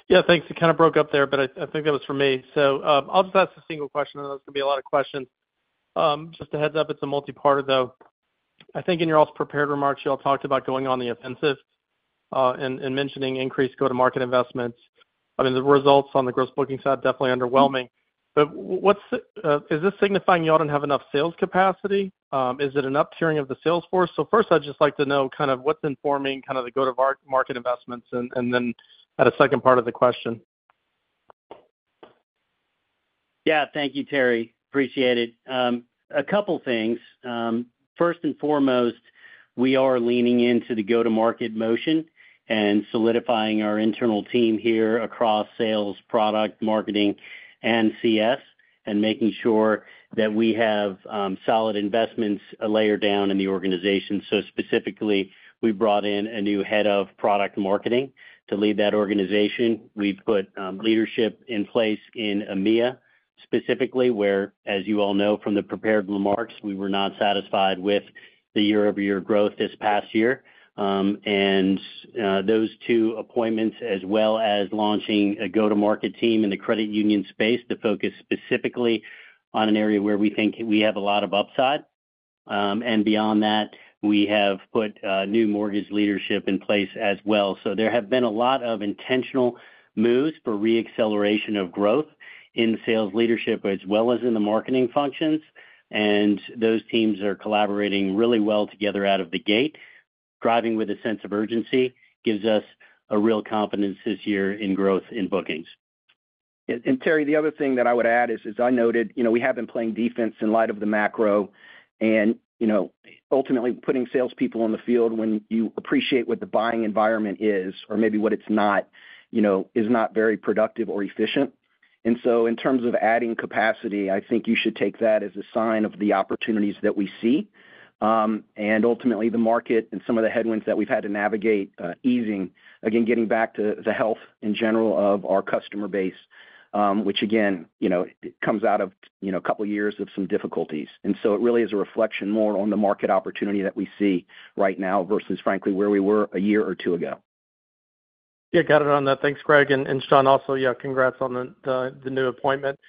Yeah, thanks. It kind of broke up there, but I think that was for me. I'll just ask a single question, and there's going to be a lot of questions. Just a heads-up, it's a multi-partner, though. I think in your all's prepared remarks, you all talked about going on the offensive and mentioning increased go-to-market investments. I mean, the results on the gross booking side are definitely underwhelming. Is this signifying you all don't have enough sales capacity? Is it an up-tiering of the sales force? First, I'd just like to know kind of what's informing kind of the go-to-market investments, and then add a second part of the question. Yeah, thank you, Terry. Appreciate it. A couple of things. First and foremost, we are leaning into the go-to-market motion and solidifying our internal team here across sales, product, marketing, and CS, and making sure that we have solid investments layered down in the organization. Specifically, we brought in a new head of product marketing to lead that organization. We've put leadership in place in EMEA specifically, where, as you all know from the prepared remarks, we were not satisfied with the year-over-year growth this past year. Those two appointments, as well as launching a go-to-market team in the credit union space to focus specifically on an area where we think we have a lot of upside. Beyond that, we have put new mortgage leadership in place as well. There have been a lot of intentional moves for re-acceleration of growth in sales leadership as well as in the marketing functions. Those teams are collaborating really well together out of the gate, driving with a sense of urgency, gives us real confidence this year in growth in bookings. Terry, the other thing that I would add is, as I noted, we have been playing defense in light of the macro and ultimately putting salespeople in the field when you appreciate what the buying environment is or maybe what it's not, is not very productive or efficient. In terms of adding capacity, I think you should take that as a sign of the opportunities that we see. Ultimately, the market and some of the headwinds that we've had to navigate easing, again, getting back to the health in general of our customer base, which, again, comes out of a couple of years of some difficulties. It really is a reflection more on the market opportunity that we see right now versus, frankly, where we were a year or two ago. Yeah, got it on that. Thanks, Greg. Sean, also, yeah, congrats on the new appointment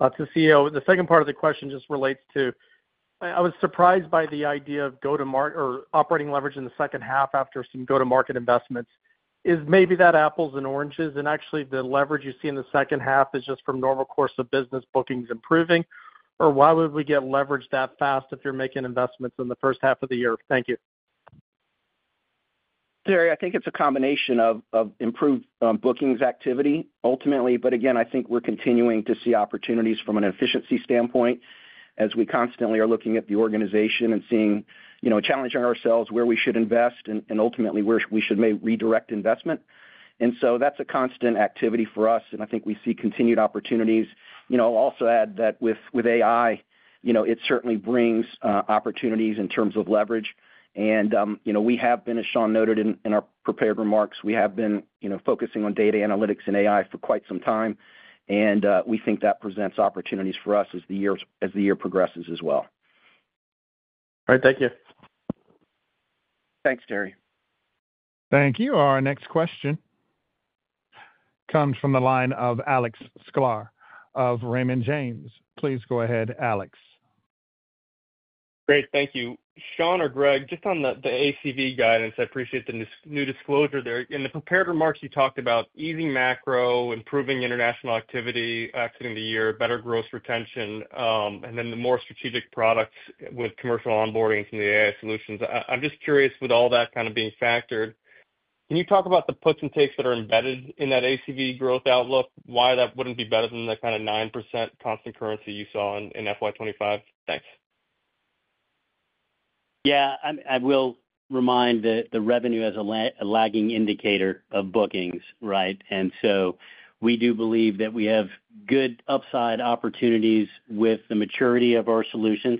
to CEO. The second part of the question just relates to I was surprised by the idea of go-to-market or operating leverage in the second half after some go-to-market investments. Is maybe that apples and oranges? Actually, the leverage you see in the second half is just from normal course of business bookings improving? Why would we get leverage that fast if you're making investments in the first half of the year? Thank you. Terry, I think it's a combination of improved bookings activity, ultimately. I think we're continuing to see opportunities from an efficiency standpoint as we constantly are looking at the organization and challenging ourselves where we should invest and ultimately where we should maybe redirect investment. That's a constant activity for us. I think we see continued opportunities. I'll also add that with AI, it certainly brings opportunities in terms of leverage. We have been, as Sean noted in our prepared remarks, focusing on data analytics and AI for quite some time. We think that presents opportunities for us as the year progresses as well. All right, thank you. Thanks, Terry. Thank you. Our next question comes from the line of Alex Sklar of Raymond James. Please go ahead, Alex. Great, thank you. Sean or Greg, just on the ACV guidance, I appreciate the new disclosure there. In the prepared remarks, you talked about easing macro, improving international activity exiting the year, better gross retention, and then the more strategic products with commercial onboarding from the AI solutions. I'm just curious, with all that kind of being factored, can you talk about the puts and takes that are embedded in that ACV growth outlook? Why that wouldn't be better than the kind of 9% constant currency you saw in FY2025? Thanks. Yeah, I will remind that the revenue is a lagging indicator of bookings, right? We do believe that we have good upside opportunities with the maturity of our solutions,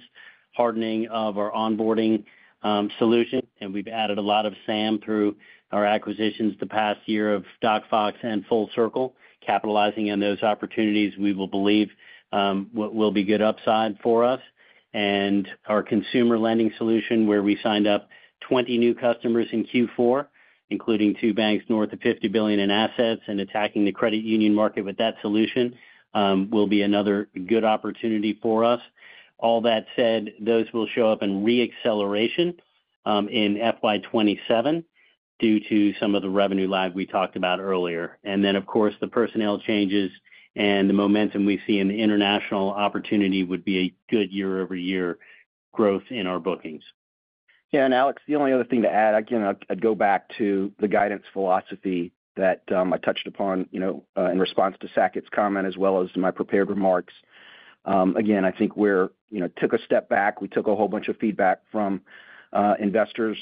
hardening of our onboarding solution. We've added a lot of SAM through our acquisitions the past year of DocFox and Full Circle. Capitalizing on those opportunities, we believe will be good upside for us. Our consumer lending solution, where we signed up 20 new customers in Q4, including two banks north of $50 billion in assets and attacking the credit union market with that solution, will be another good opportunity for us. All that said, those will show up in re-acceleration in FY2027 due to some of the revenue lag we talked about earlier. Of course, the personnel changes and the momentum we see in the international opportunity would be a good year-over-year growth in our bookings. Yeah, and Alex, the only other thing to add, again, I'd go back to the guidance philosophy that I touched upon in response to Saket's comment as well as my prepared remarks. Again, I think we took a step back. We took a whole bunch of feedback from investors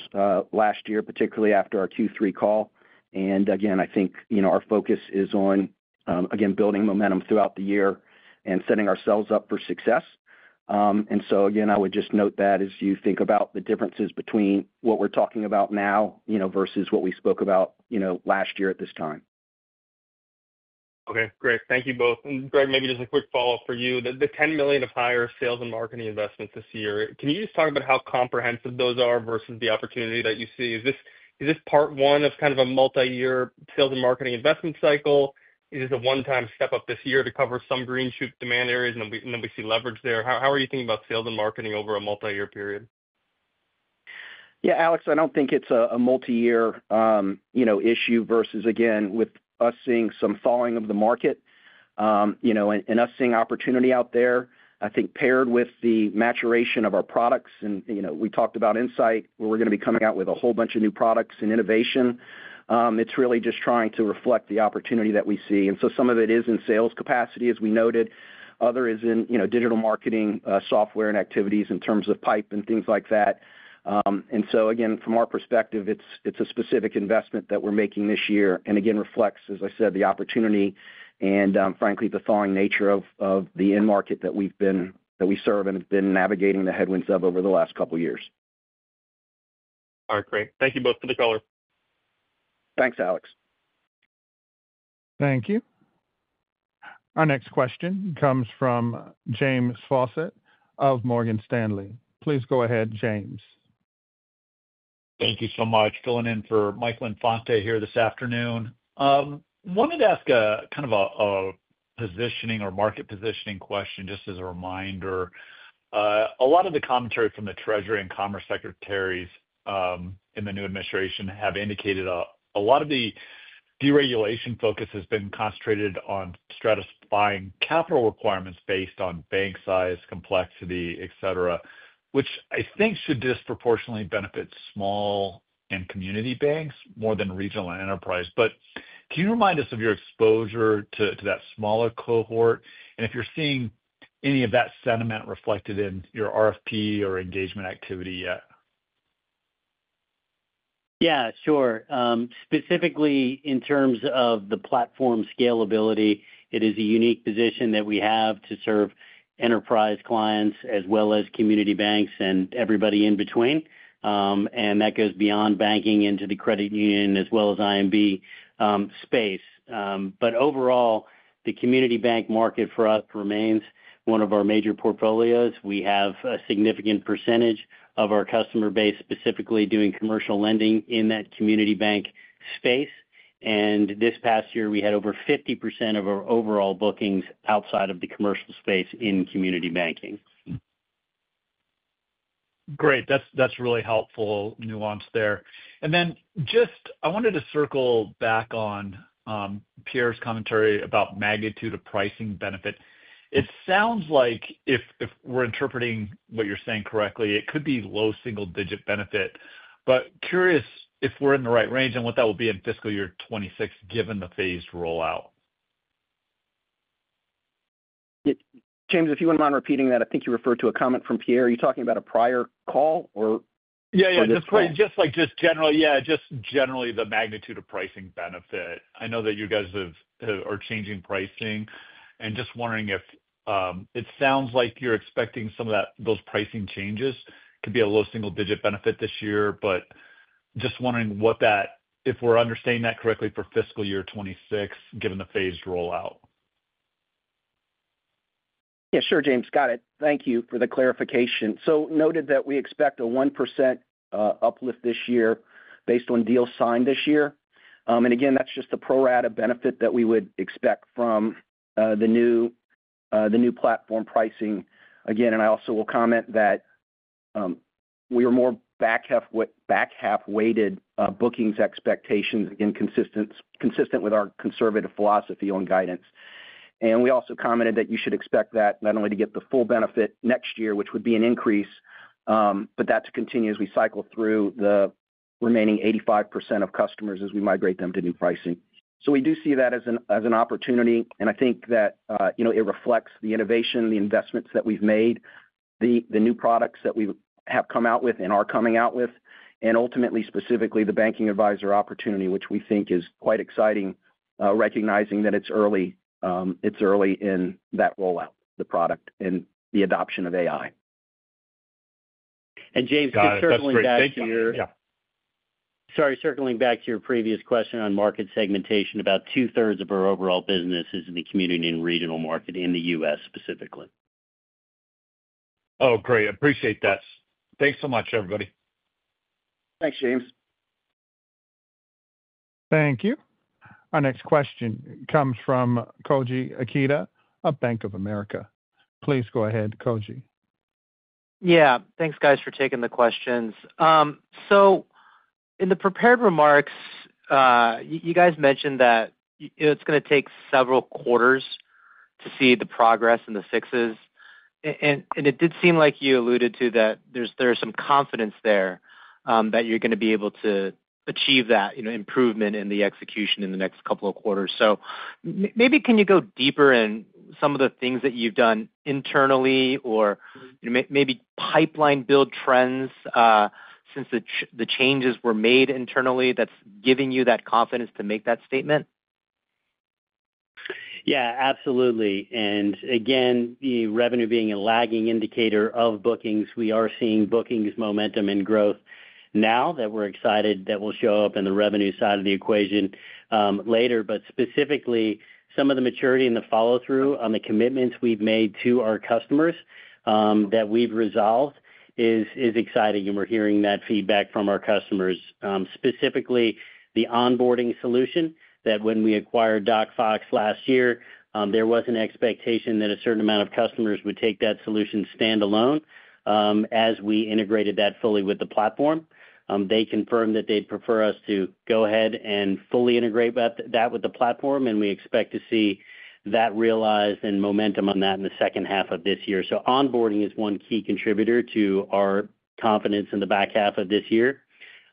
last year, particularly after our Q3 call. Again, I think our focus is on, again, building momentum throughout the year and setting ourselves up for success. I would just note that as you think about the differences between what we're talking about now versus what we spoke about last year at this time. Okay, great. Thank you both. And Greg, maybe just a quick follow-up for you. The $10 million of higher sales and marketing investments this year, can you just talk about how comprehensive those are versus the opportunity that you see? Is this part one of kind of a multi-year sales and marketing investment cycle? Is this a one-time step up this year to cover some green shoot demand areas and then we see leverage there? How are you thinking about sales and marketing over a multi-year period? Yeah, Alex, I do not think it's a multi-year issue versus, again, with us seeing some thawing of the market and us seeing opportunity out there. I think paired with the maturation of our products, and we talked about Insight, where we're going to be coming out with a whole bunch of new products and innovation. It's really just trying to reflect the opportunity that we see. Some of it is in sales capacity, as we noted. Other is in digital marketing software and activities in terms of pipe and things like that. Again, from our perspective, it's a specific investment that we're making this year. Again, reflects, as I said, the opportunity and, frankly, the thawing nature of end market that we serve and have been navigating the headwinds of over the last couple of years. All right, great. Thank you both for the color. Thanks, Alex. Thank you. Our next question comes from James Fawcett of Morgan Stanley. Please go ahead, James. Thank you so much. Filing in for Michael Infante here this afternoon. I wanted to ask kind of a positioning or market positioning question just as a reminder. A lot of the commentary from the Treasury and Commerce Secretaries in the new administration have indicated a lot of the deregulation focus has been concentrated on stratifying capital requirements based on bank size, complexity, etc., which I think should disproportionately benefit small and community banks more than regional and enterprise. Can you remind us of your exposure to that smaller cohort? And if you're seeing any of that sentiment reflected in your RFP or engagement activity yet? Yeah, sure. Specifically, in terms of the platform scalability, it is a unique position that we have to serve enterprise clients as well as community banks and everybody in between. That goes beyond banking into the credit union as well as IMB space. Overall, the community bank market for us remains one of our major portfolios. We have a significant percentage of our customer base specifically doing commercial lending in that community bank space. This past year, we had over 50% of our overall bookings outside of the commercial space in community banking. Great. That is really helpful nuance there. I wanted to circle back on Pierre's commentary about magnitude of pricing benefit. It sounds like if we are interpreting what you are saying correctly, it could be low single-digit benefit. Curious if we are in the right range and what that will be in Fiscal Year of 2026 given the phased rollout. James, if you would not mind repeating that, I think you referred to a comment from Pierre. Are you talking about a prior call or? Yeah, yeah. Just generally, just generally the magnitude of pricing benefit. I know that you guys are changing pricing. Just wondering if it sounds like you're expecting some of those pricing changes could be a low single-digit benefit this year, but just wondering what that, if we're understanding that correctly for Fiscal Year 2026 given the phased rollout. Yeah, sure, James. Got it. Thank you for the clarification. Noted that we expect a 1% uplift this year based on deals signed this year. Again, that's just the pro rata benefit that we would expect from the new platform pricing. I also will comment that we were more back half-weighted bookings expectations, again, consistent with our conservative philosophy on guidance. We also commented that you should expect that not only to get the full benefit next year, which would be an increase, but that continues as we cycle through the remaining 85% of customers as we migrate them to new pricing. We do see that as an opportunity. I think that it reflects the innovation, the investments that we've made, the new products that we have come out with and are coming out with, and ultimately, specifically, the Banking Advisor opportunity, which we think is quite exciting, recognizing that it's early in that rollout, the product, and the adoption of AI. James, just circling back to your. Yeah. Sorry, circling back to your previous question on market segmentation, about two-thirds of our overall business is in the community and regional market in the U.S. specifically. Oh, great. Appreciate that. Thanks so much, everybody. Thanks, James. Thank you. Our next question comes from Koji Ikeda of Bank of America. Please go ahead, Koji. Yeah. Thanks, guys, for taking the questions. In the prepared remarks, you guys mentioned that it's going to take several quarters to see the progress and the fixes. It did seem like you alluded to that there's some confidence there that you're going to be able to achieve that improvement in the execution in the next couple of quarters. Maybe can you go deeper in some of the things that you've done internally or maybe pipeline build trends since the changes were made internally that's giving you that confidence to make that statement? Yeah, absolutely. Again, revenue being a lagging indicator of bookings, we are seeing bookings momentum and growth now that we're excited that will show up in the revenue side of the equation later. Specifically, some of the maturity and the follow-through on the commitments we've made to our customers that we've resolved is exciting. We're hearing that feedback from our customers, specifically the onboarding solution that when we acquired DocFox last year, there was an expectation that a certain amount of customers would take that solution standalone as we integrated that fully with the platform. They confirmed that they'd prefer us to go ahead and fully integrate that with the platform. We expect to see that realized and momentum on that in the second half of this year. Onboarding is one key contributor to our confidence in the back half of this year.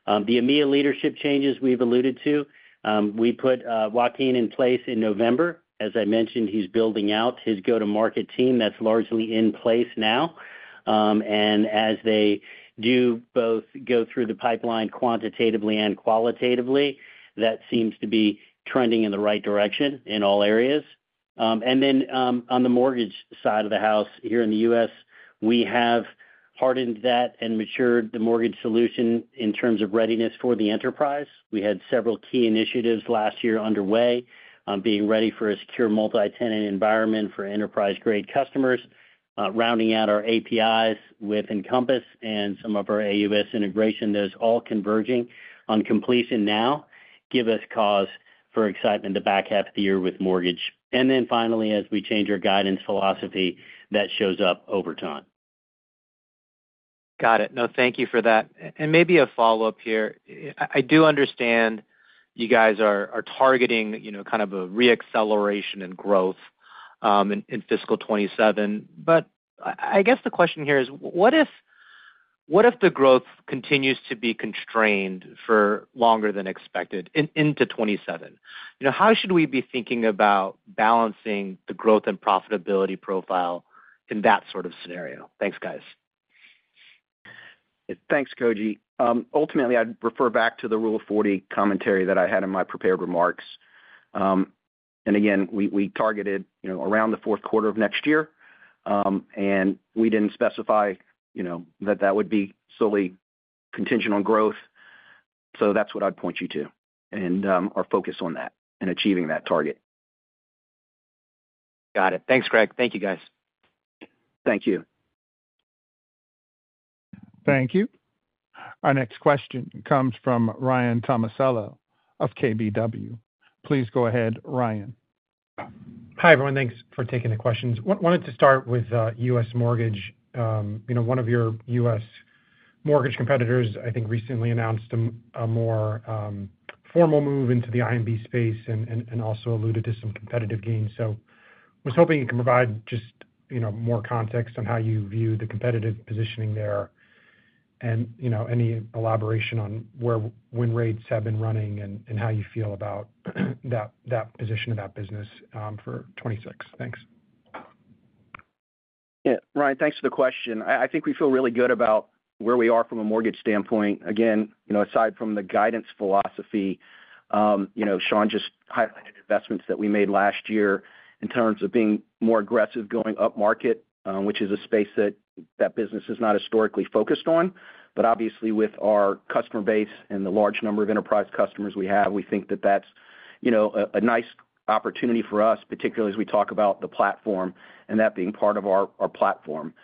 The EMEA leadership changes we've alluded to, we put Joaquin in place in November. As I mentioned, he's building out his go-to-market team that's largely in place now. As they do both go through the pipeline quantitatively and qualitatively, that seems to be trending in the right direction in all areas. On the mortgage side of the house here in the U.S., we have hardened that and matured the mortgage solution in terms of readiness for the enterprise. We had several key initiatives last year underway, being ready for a secure multi-tenant environment for enterprise-grade customers, rounding out our APIs with Encompass and some of our AUS integration. Those all converging on completion now give us cause for excitement to back half the year with mortgage. Finally, as we change our guidance philosophy, that shows up over time. Got it. No, thank you for that. Maybe a follow-up here. I do understand you guys are targeting kind of a re-acceleration and growth in Fiscal 2027. I guess the question here is, what if the growth continues to be constrained for longer than expected into 2027? How should we be thinking about balancing the growth and profitability profile in that sort of scenario? Thanks, guys. Thanks, Koji. Ultimately, I'd refer back to the Rule of 40 commentary that I had in my prepared remarks. Again, we targeted around the fourth quarter of next year. We didn't specify that that would be solely contingent on growth. That's what I'd point you to and our focus on that and achieving that target. Got it. Thanks, Greg. Thank you, guys. Thank you. Thank you. Our next question comes from Ryan Tomasello of KBW. Please go ahead, Ryan. Hi, everyone. Thanks for taking the questions. Wanted to start with U.S. mortgage. One of your US mortgage competitors, I think, recently announced a more formal move into the IMB space and also alluded to some competitive gains. I was hoping you can provide just more context on how you view the competitive positioning there and any elaboration on where win rates have been running and how you feel about that position of that business for 2026. Thanks. Yeah. Ryan, thanks for the question. I think we feel really good about where we are from a mortgage standpoint. Again, aside from the guidance philosophy, Sean just highlighted investments that we made last year in terms of being more aggressive going up market, which is a space that that business is not historically focused on. Obviously, with our customer base and the large number of enterprise customers we have, we think that that's a nice opportunity for us, particularly as we talk about the platform and that being part of our platform.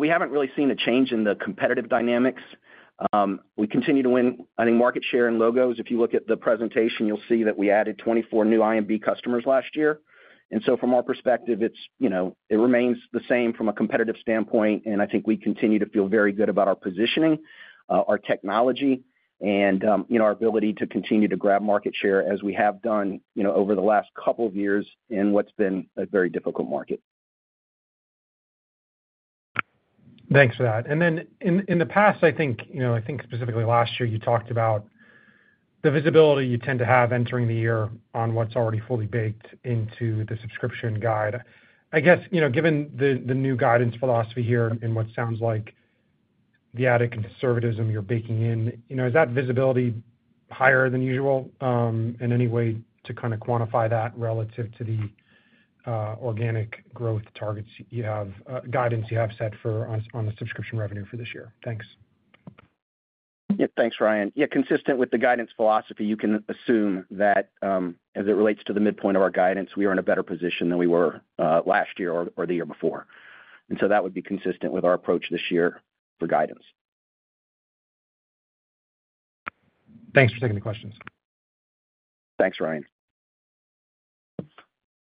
We haven't really seen a change in the competitive dynamics. We continue to win, I think, market share and logos. If you look at the presentation, you'll see that we added 24 new IMB customers last year. From our perspective, it remains the same from a competitive standpoint. I think we continue to feel very good about our positioning, our technology, and our ability to continue to grab market share as we have done over the last couple of years in what's been a very difficult market. Thanks for that. In the past, I think specifically last year, you talked about the visibility you tend to have entering the year on what is already fully baked into the subscription guide. I guess given the new guidance philosophy here and what sounds like the added conservatism you are baking in, is that visibility higher than usual in any way to kind of quantify that relative to the organic growth targets you have, guidance you have set for on the subscription revenue for this year? Thanks. Thanks, Ryan. Yeah, consistent with the guidance philosophy, you can assume that as it relates to the midpoint of our guidance, we are in a better position than we were last year or the year before. That would be consistent with our approach this year for guidance. Thanks for taking the questions. Thanks, Ryan.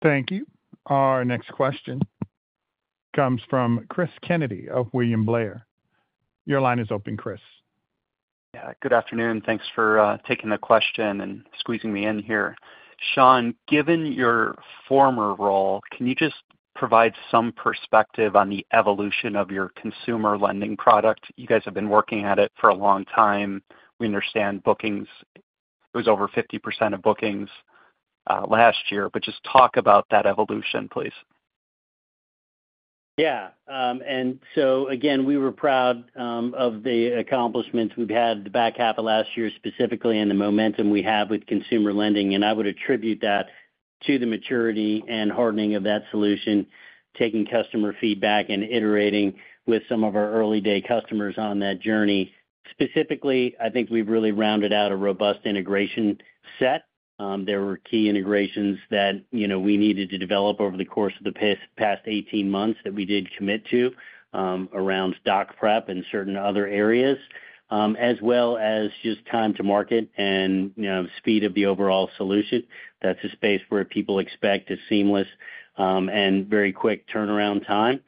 Thank you. Our next question comes from Chris Kennedy of William Blair. Your line is open, Chris. Yeah. Good afternoon. Thanks for taking the question and squeezing me in here. Sean, given your former role, can you just provide some perspective on the evolution of your consumer lending product? You guys have been working at it for a long time. We understand bookings was over 50% of bookings last year. Just talk about that evolution, please. Yeah. We were proud of the accomplishments we've had the back half of last year, specifically in the momentum we have with consumer lending. I would attribute that to the maturity and hardening of that solution, taking customer feedback and iterating with some of our early-day customers on that journey. Specifically, I think we've really rounded out a robust integration set. There were key integrations that we needed to develop over the course of the past 18 months that we did commit to around stock prep and certain other areas, as well as just time to market and speed of the overall solution. That is a space where people expect a seamless and very quick turnaround time,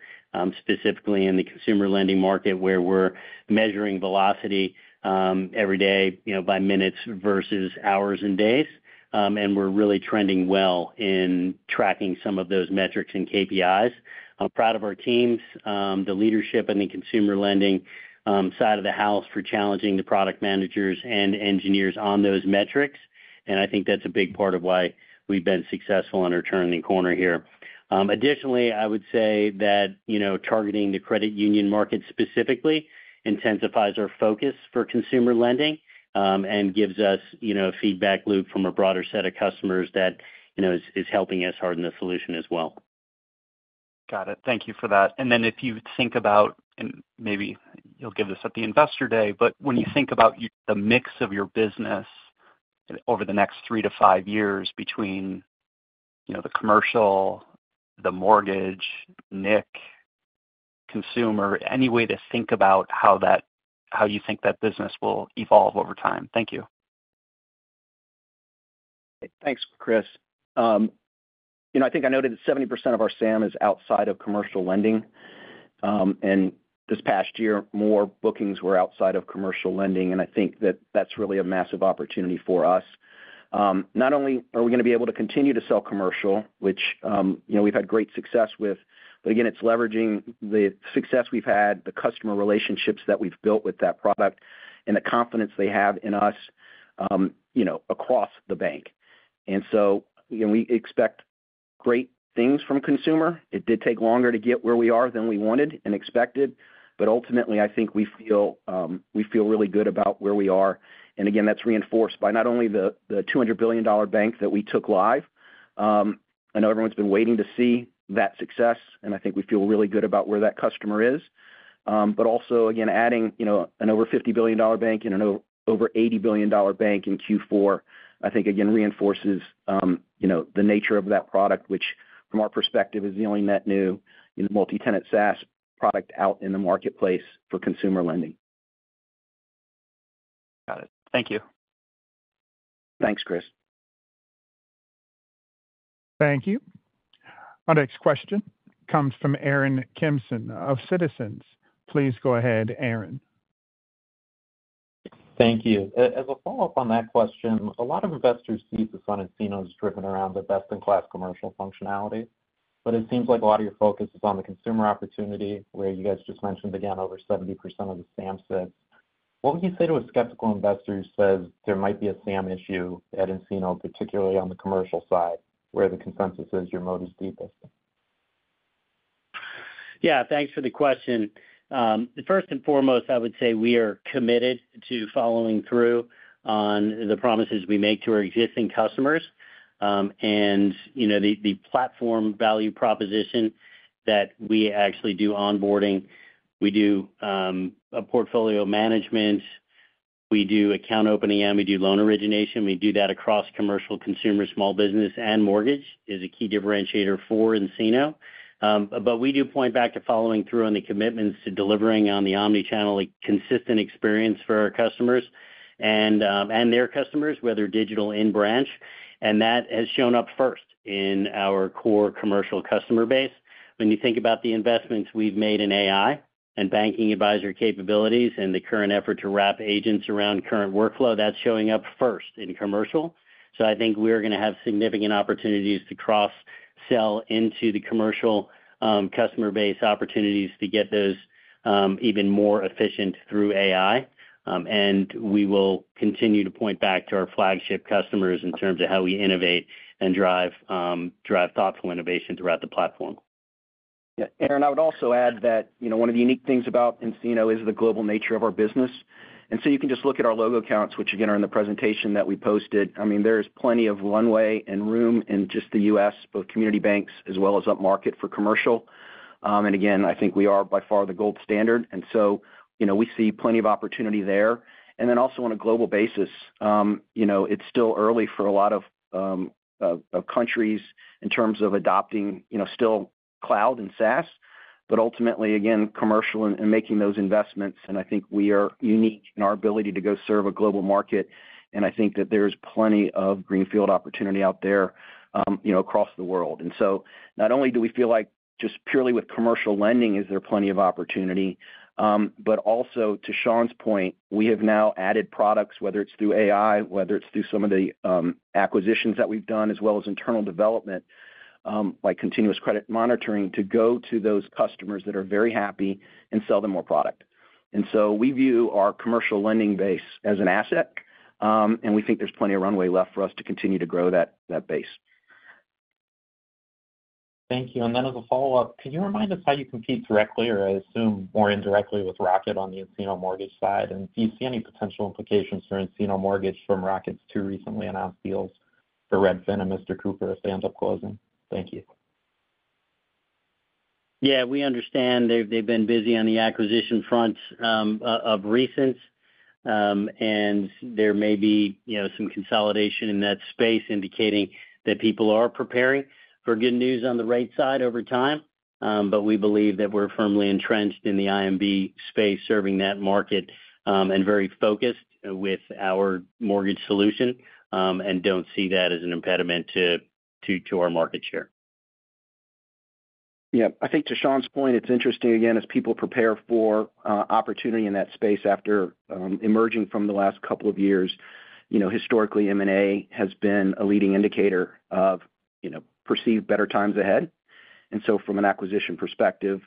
specifically in the consumer lending market where we're measuring velocity every day by minutes versus hours and days. We're really trending well in tracking some of those metrics and KPIs. I'm proud of our teams, the leadership, and the consumer lending side of the house for challenging the product managers and engineers on those metrics. I think that's a big part of why we've been successful on our turning corner here. Additionally, I would say that targeting the credit union market specifically intensifies our focus for consumer lending and gives us a feedback loop from a broader set of customers that is helping us harden the solution as well. Got it. Thank you for that. If you think about, and maybe you'll give this at the Investor Day, but when you think about the mix of your business over the next three to five years between the commercial, the mortgage, NIC, consumer, any way to think about how you think that business will evolve over time? Thank you. Thanks, Chris. I think I noted that 70% of our SAM is outside of commercial lending. This past year, more bookings were outside of commercial lending. I think that that's really a massive opportunity for us. Not only are we going to be able to continue to sell commercial, which we've had great success with, but again, it's leveraging the success we've had, the customer relationships that we've built with that product, and the confidence they have in us across the bank. We expect great things from consumer. It did take longer to get where we are than we wanted and expected. Ultimately, I think we feel really good about where we are. Again, that's reinforced by not only the $200 billion bank that we took live. I know everyone's been waiting to see that success. I think we feel really good about where that customer is. But also, again, adding an over $50 billion bank and an over $80 billion bank in Q4, I think, again, reinforces the nature of that product, which, from our perspective, is the only net new multi-tenant SaaS product out in the marketplace for consumer lending. Got it. Thank you. Thanks, Chris. Thank you. Our next question comes from Aaron Kimpson of Citizens. Please go ahead, Aaron. Thank you. As a follow-up on that question, a lot of investors see the Sun and nCino's driven around the best-in-class commercial functionality. But it seems like a lot of your focus is on the consumer opportunity where you guys just mentioned again over 70% of the SAM sits. What would you say to a skeptical investor who says there might be a SAM issue at nCino, particularly on the commercial side, where the consensus is your moat is deepest? Yeah. Thanks for the question. First and foremost, I would say we are committed to following through on the promises we make to our existing customers. The platform value proposition is that we actually do onboarding, we do portfolio management, we do account opening, and we do loan origination. We do that across commercial, consumer, small business, and mortgage is a key differentiator for nCino. We point back to following through on the commitments to delivering on the omnichannel consistent experience for our customers and their customers, whether digital or in branch. That has shown up first in our core commercial customer base. When you think about the investments we've made in AI and Banking Advisor capabilities and the current effort to wrap agents around current workflow, that's showing up first in commercial. I think we're going to have significant opportunities to cross-sell into the commercial customer base, opportunities to get those even more efficient through AI. We will continue to point back to our flagship customers in terms of how we innovate and drive thoughtful innovation throughout the platform. Yeah. Aaron, I would also add that one of the unique things about nCino is the global nature of our business. You can just look at our logo counts, which again are in the presentation that we posted. I mean, there is plenty of runway and room in just the U.S., both community banks as well as up market for commercial. I think we are by far the gold standard. We see plenty of opportunity there. On a global basis, it's still early for a lot of countries in terms of adopting still cloud and SaaS. Ultimately, again, commercial and making those investments. I think we are unique in our ability to go serve a global market. I think that there's plenty of greenfield opportunity out there across the world. Not only do we feel like just purely with commercial lending is there plenty of opportunity, but also to Sean's point, we have now added products, whether it's through AI, whether it's through some of the acquisitions that we've done, as well as internal development like Continuous Credit Monitoring to go to those customers that are very happy and sell them more product. We view our commercial lending base as an asset. We think there's plenty of runway left for us to continue to grow that base. Thank you. As a follow-up, can you remind us how you compete directly or, I assume, more indirectly with Rocket on the nCino mortgage side? Do you see any potential implications for nCino mortgage from Rocket's to recently announced deals for Redfin and Mr. Cooper if they end up closing? Thank you. Yeah. We understand they've been busy on the acquisition front of recent. There may be some consolidation in that space, indicating that people are preparing for good news on the right side over time. We believe that we're firmly entrenched in the IMB space, serving that market and very focused with our mortgage solution, and don't see that as an impediment to our market share. Yeah. I think to Sean's point, it's interesting again as people prepare for opportunity in that space after emerging from the last couple of years. Historically, M&A has been a leading indicator of perceived better times ahead. From an acquisition perspective,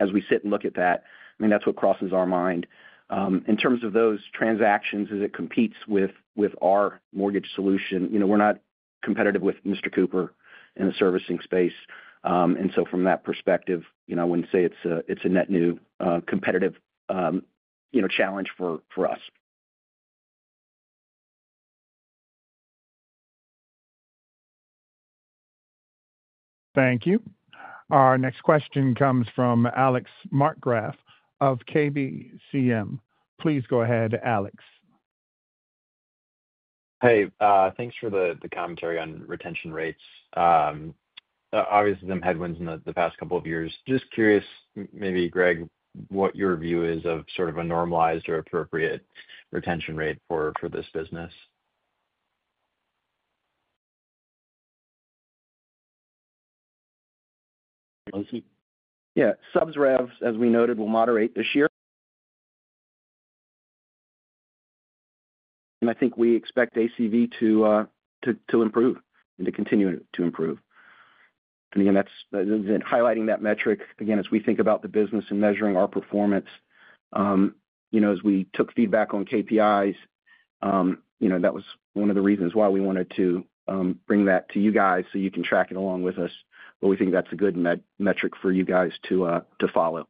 as we sit and look at that, I mean, that's what crosses our mind. In terms of those transactions, as it competes with our mortgage solution, we're not competitive with Mr. Cooper in the servicing space. From that perspective, I wouldn't say it's a net new competitive challenge for us. Thank you. Our next question comes from Alex Markgraff of KBCM. Please go ahead, Alex. Hey, thanks for the commentary on retention rates. Obviously, some headwinds in the past couple of years. Just curious, maybe, Greg, what your view is of sort of a normalized or appropriate retention rate for this business. Yeah. SubsRevs, as we noted, will moderate this year. I think we expect ACV to improve and to continue to improve. Again, highlighting that metric, as we think about the business and measuring our performance, as we took feedback on KPIs, that was one of the reasons why we wanted to bring that to you guys so you can track it along with us. We think that's a good metric for you guys to follow.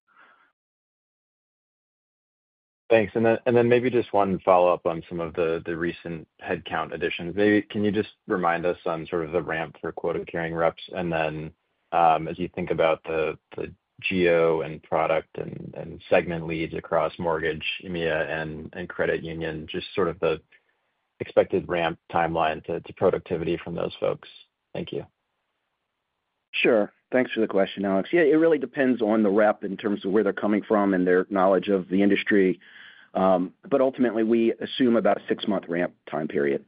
Thanks. Maybe just one follow-up on some of the recent headcount additions. Maybe can you just remind us on sort of the ramp for quota-carrying reps? As you think about the geo and product and segment leads across mortgage, EMEA, and credit union, just sort of the expected ramp timeline to productivity from those folks? Thank you. Sure. Thanks for the question, Alex. Yeah, it really depends on the rep in terms of where they're coming from and their knowledge of the industry. Ultimately, we assume about a six-month ramp time period.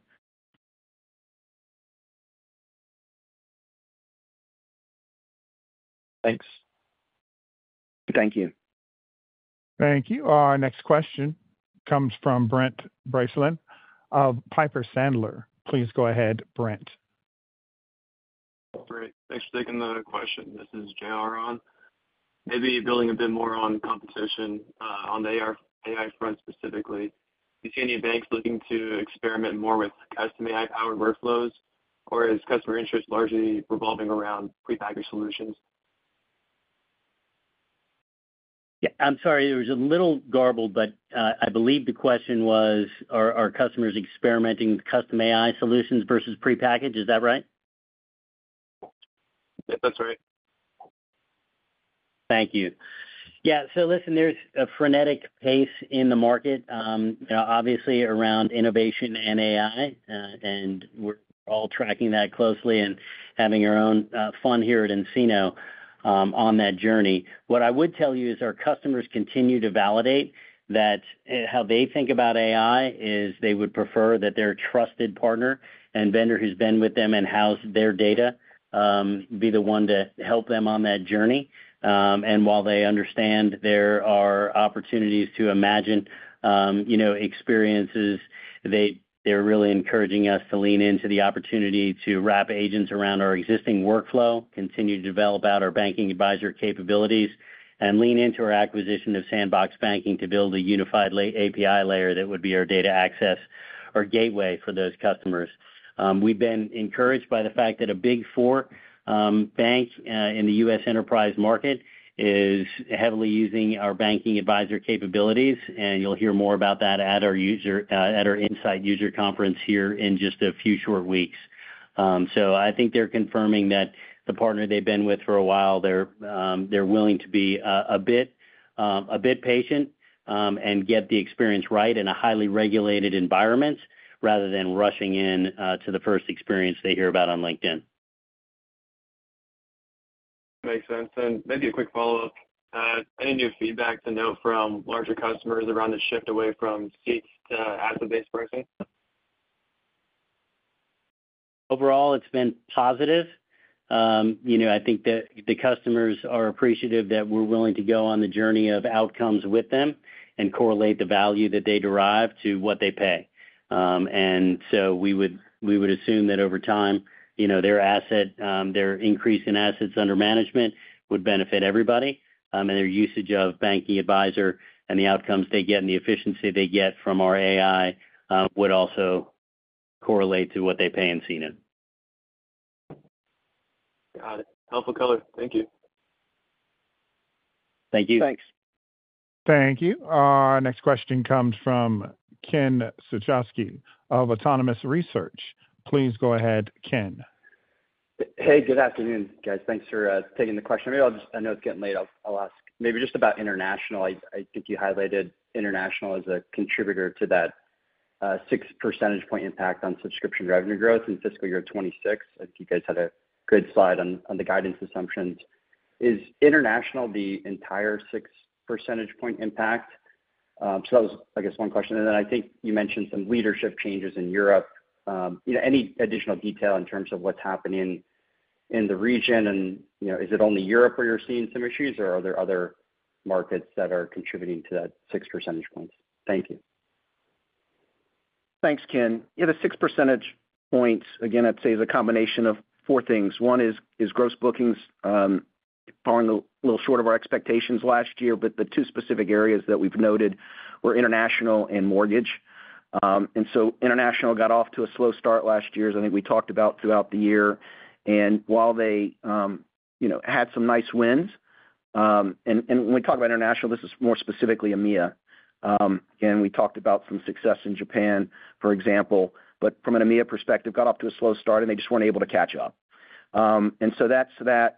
Thanks. Thank you. Thank you. Our next question comes from Brent Brayson of Piper Sandler. Please go ahead, Brent. Thanks for taking the question. This is Taylor on. Maybe building a bit more on competition on the AI front specifically. Do you see any banks looking to experiment more with custom AI-powered workflows, or is customer interest largely revolving around prepackaged solutions? Yeah. I'm sorry. It was a little garbled, but I believe the question was, are customers experimenting with custom AI solutions versus prepackaged? Is that right? Yep. That's right. Thank you. Yeah. Listen, there's a frenetic pace in the market, obviously, around innovation and AI. We are all tracking that closely and having our own fun here at nCino on that journey. What I would tell you is our customers continue to validate that how they think about AI is they would prefer that their trusted partner and vendor who has been with them and housed their data be the one to help them on that journey. While they understand there are opportunities to imagine experiences, they are really encouraging us to lean into the opportunity to wrap agents around our existing workflow, continue to develop out our Banking Advisor capabilities, and lean into our acquisition of Sandbox Banking to build a unified API layer that would be our data access or gateway for those customers. We have been encouraged by the fact that a Big 4 banks in the U.S. enterprise market is heavily using our Banking Advisor capabilities. You will hear more about that at our insight user conference here in just a few short weeks. I think they are confirming that the partner they have been with for a while, they are willing to be a bit patient and get the experience right in a highly regulated environment rather than rushing into the first experience they hear about on LinkedIn. Makes sense. Maybe a quick follow-up. Any new feedback to note from larger customers around the shift away from seats to asset-based pricing? Overall, it has been positive. I think that the customers are appreciative that we are willing to go on the journey of outcomes with them and correlate the value that they derive to what they pay. We would assume that over time, their increase in assets under management would benefit everybody. Their usage of Banking Advisor and the outcomes they get and the efficiency they get from our AI would also correlate to what they pay in nCino. Got it. Helpful color. Thank you. Thank you. Thanks. Thank you. Our next question comes from Ken Suchoski of Autonomous Research. Please go ahead, Ken. Hey, good afternoon, guys. Thanks for taking the question. I know it's getting late. I'll ask maybe just about international. I think you highlighted international as a contributor to that 6 percentage point impact on subscription revenue growth in Fiscal Year 2026. I think you guys had a good slide on the guidance assumptions. Is international the entire 6 percentage point impact? That was, I guess, one question. I think you mentioned some leadership changes in Europe. Any additional detail in terms of what's happening in the region? Is it only Europe where you're seeing some issues, or are there other markets that are contributing to that 6 percentage points? Thank you. Thanks, Ken. Yeah, the 6 percentage points, again, I'd say is a combination of four things. One is gross bookings falling a little short of our expectations last year, but the two specific areas that we've noted were international and mortgage. International got off to a slow start last year as I think we talked about throughout the year. While they had some nice wins, and when we talk about international, this is more specifically EMEA. We talked about some success in Japan, for example. From an EMEA perspective, got off to a slow start, and they just weren't able to catch up. That's that.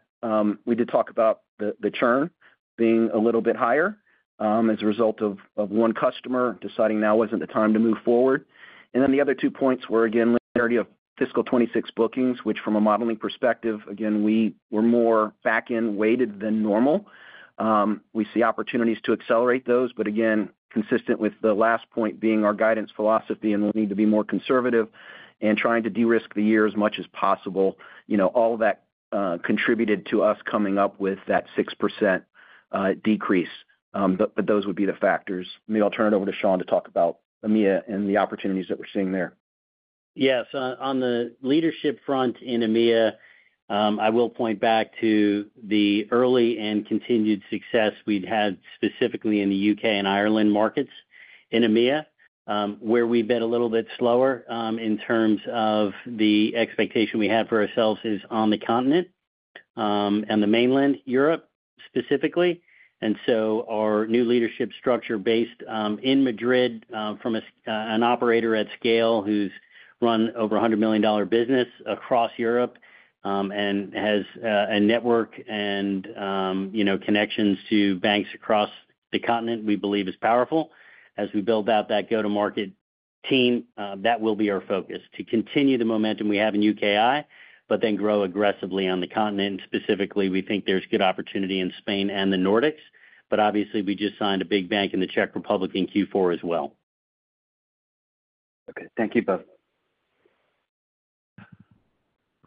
We did talk about the churn being a little bit higher as a result of one customer deciding now wasn't the time to move forward. The other two points were, again, linearity of Fiscal 2026 bookings, which from a modeling perspective, again, we were more back-end weighted than normal. We see opportunities to accelerate those. Again, consistent with the last point being our guidance philosophy and we'll need to be more conservative and trying to de-risk the year as much as possible. All of that contributed to us coming up with that 6% decrease. Those would be the factors. Maybe I'll turn it over to Sean to talk about EMEA and the opportunities that we're seeing there. Yeah. On the leadership front in EMEA, I will point back to the early and continued success we'd had specifically in the U.K. and Ireland markets. In EMEA, where we've been a little bit slower in terms of the expectation we have for ourselves is on the continent and the mainland, Europe specifically. Our new leadership structure based in Madrid from an operator at scale who's run over a $100 million business across Europe and has a network and connections to banks across the continent, we believe is powerful. As we build out that go-to-market team, that will be our focus, to continue the momentum we have in U.K.I., but then grow aggressively on the continent specifically, we think there's good opportunity in Spain and the Nordics. Obviously, we just signed a big bank in the Czech Republic in Q4 as well. Okay. Thank you both.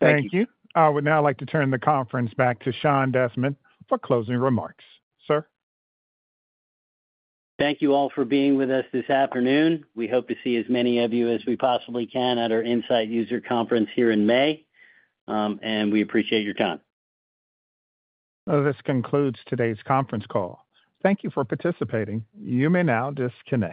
Thank you. Thank you. I would now like to turn the conference back to Sean Desmond for closing remarks. Sir? Thank you all for being with us this afternoon. We hope to see as many of you as we possibly can at our insight user conference here in May. We appreciate your time. This concludes today's conference call. Thank you for participating. You may now disconnect.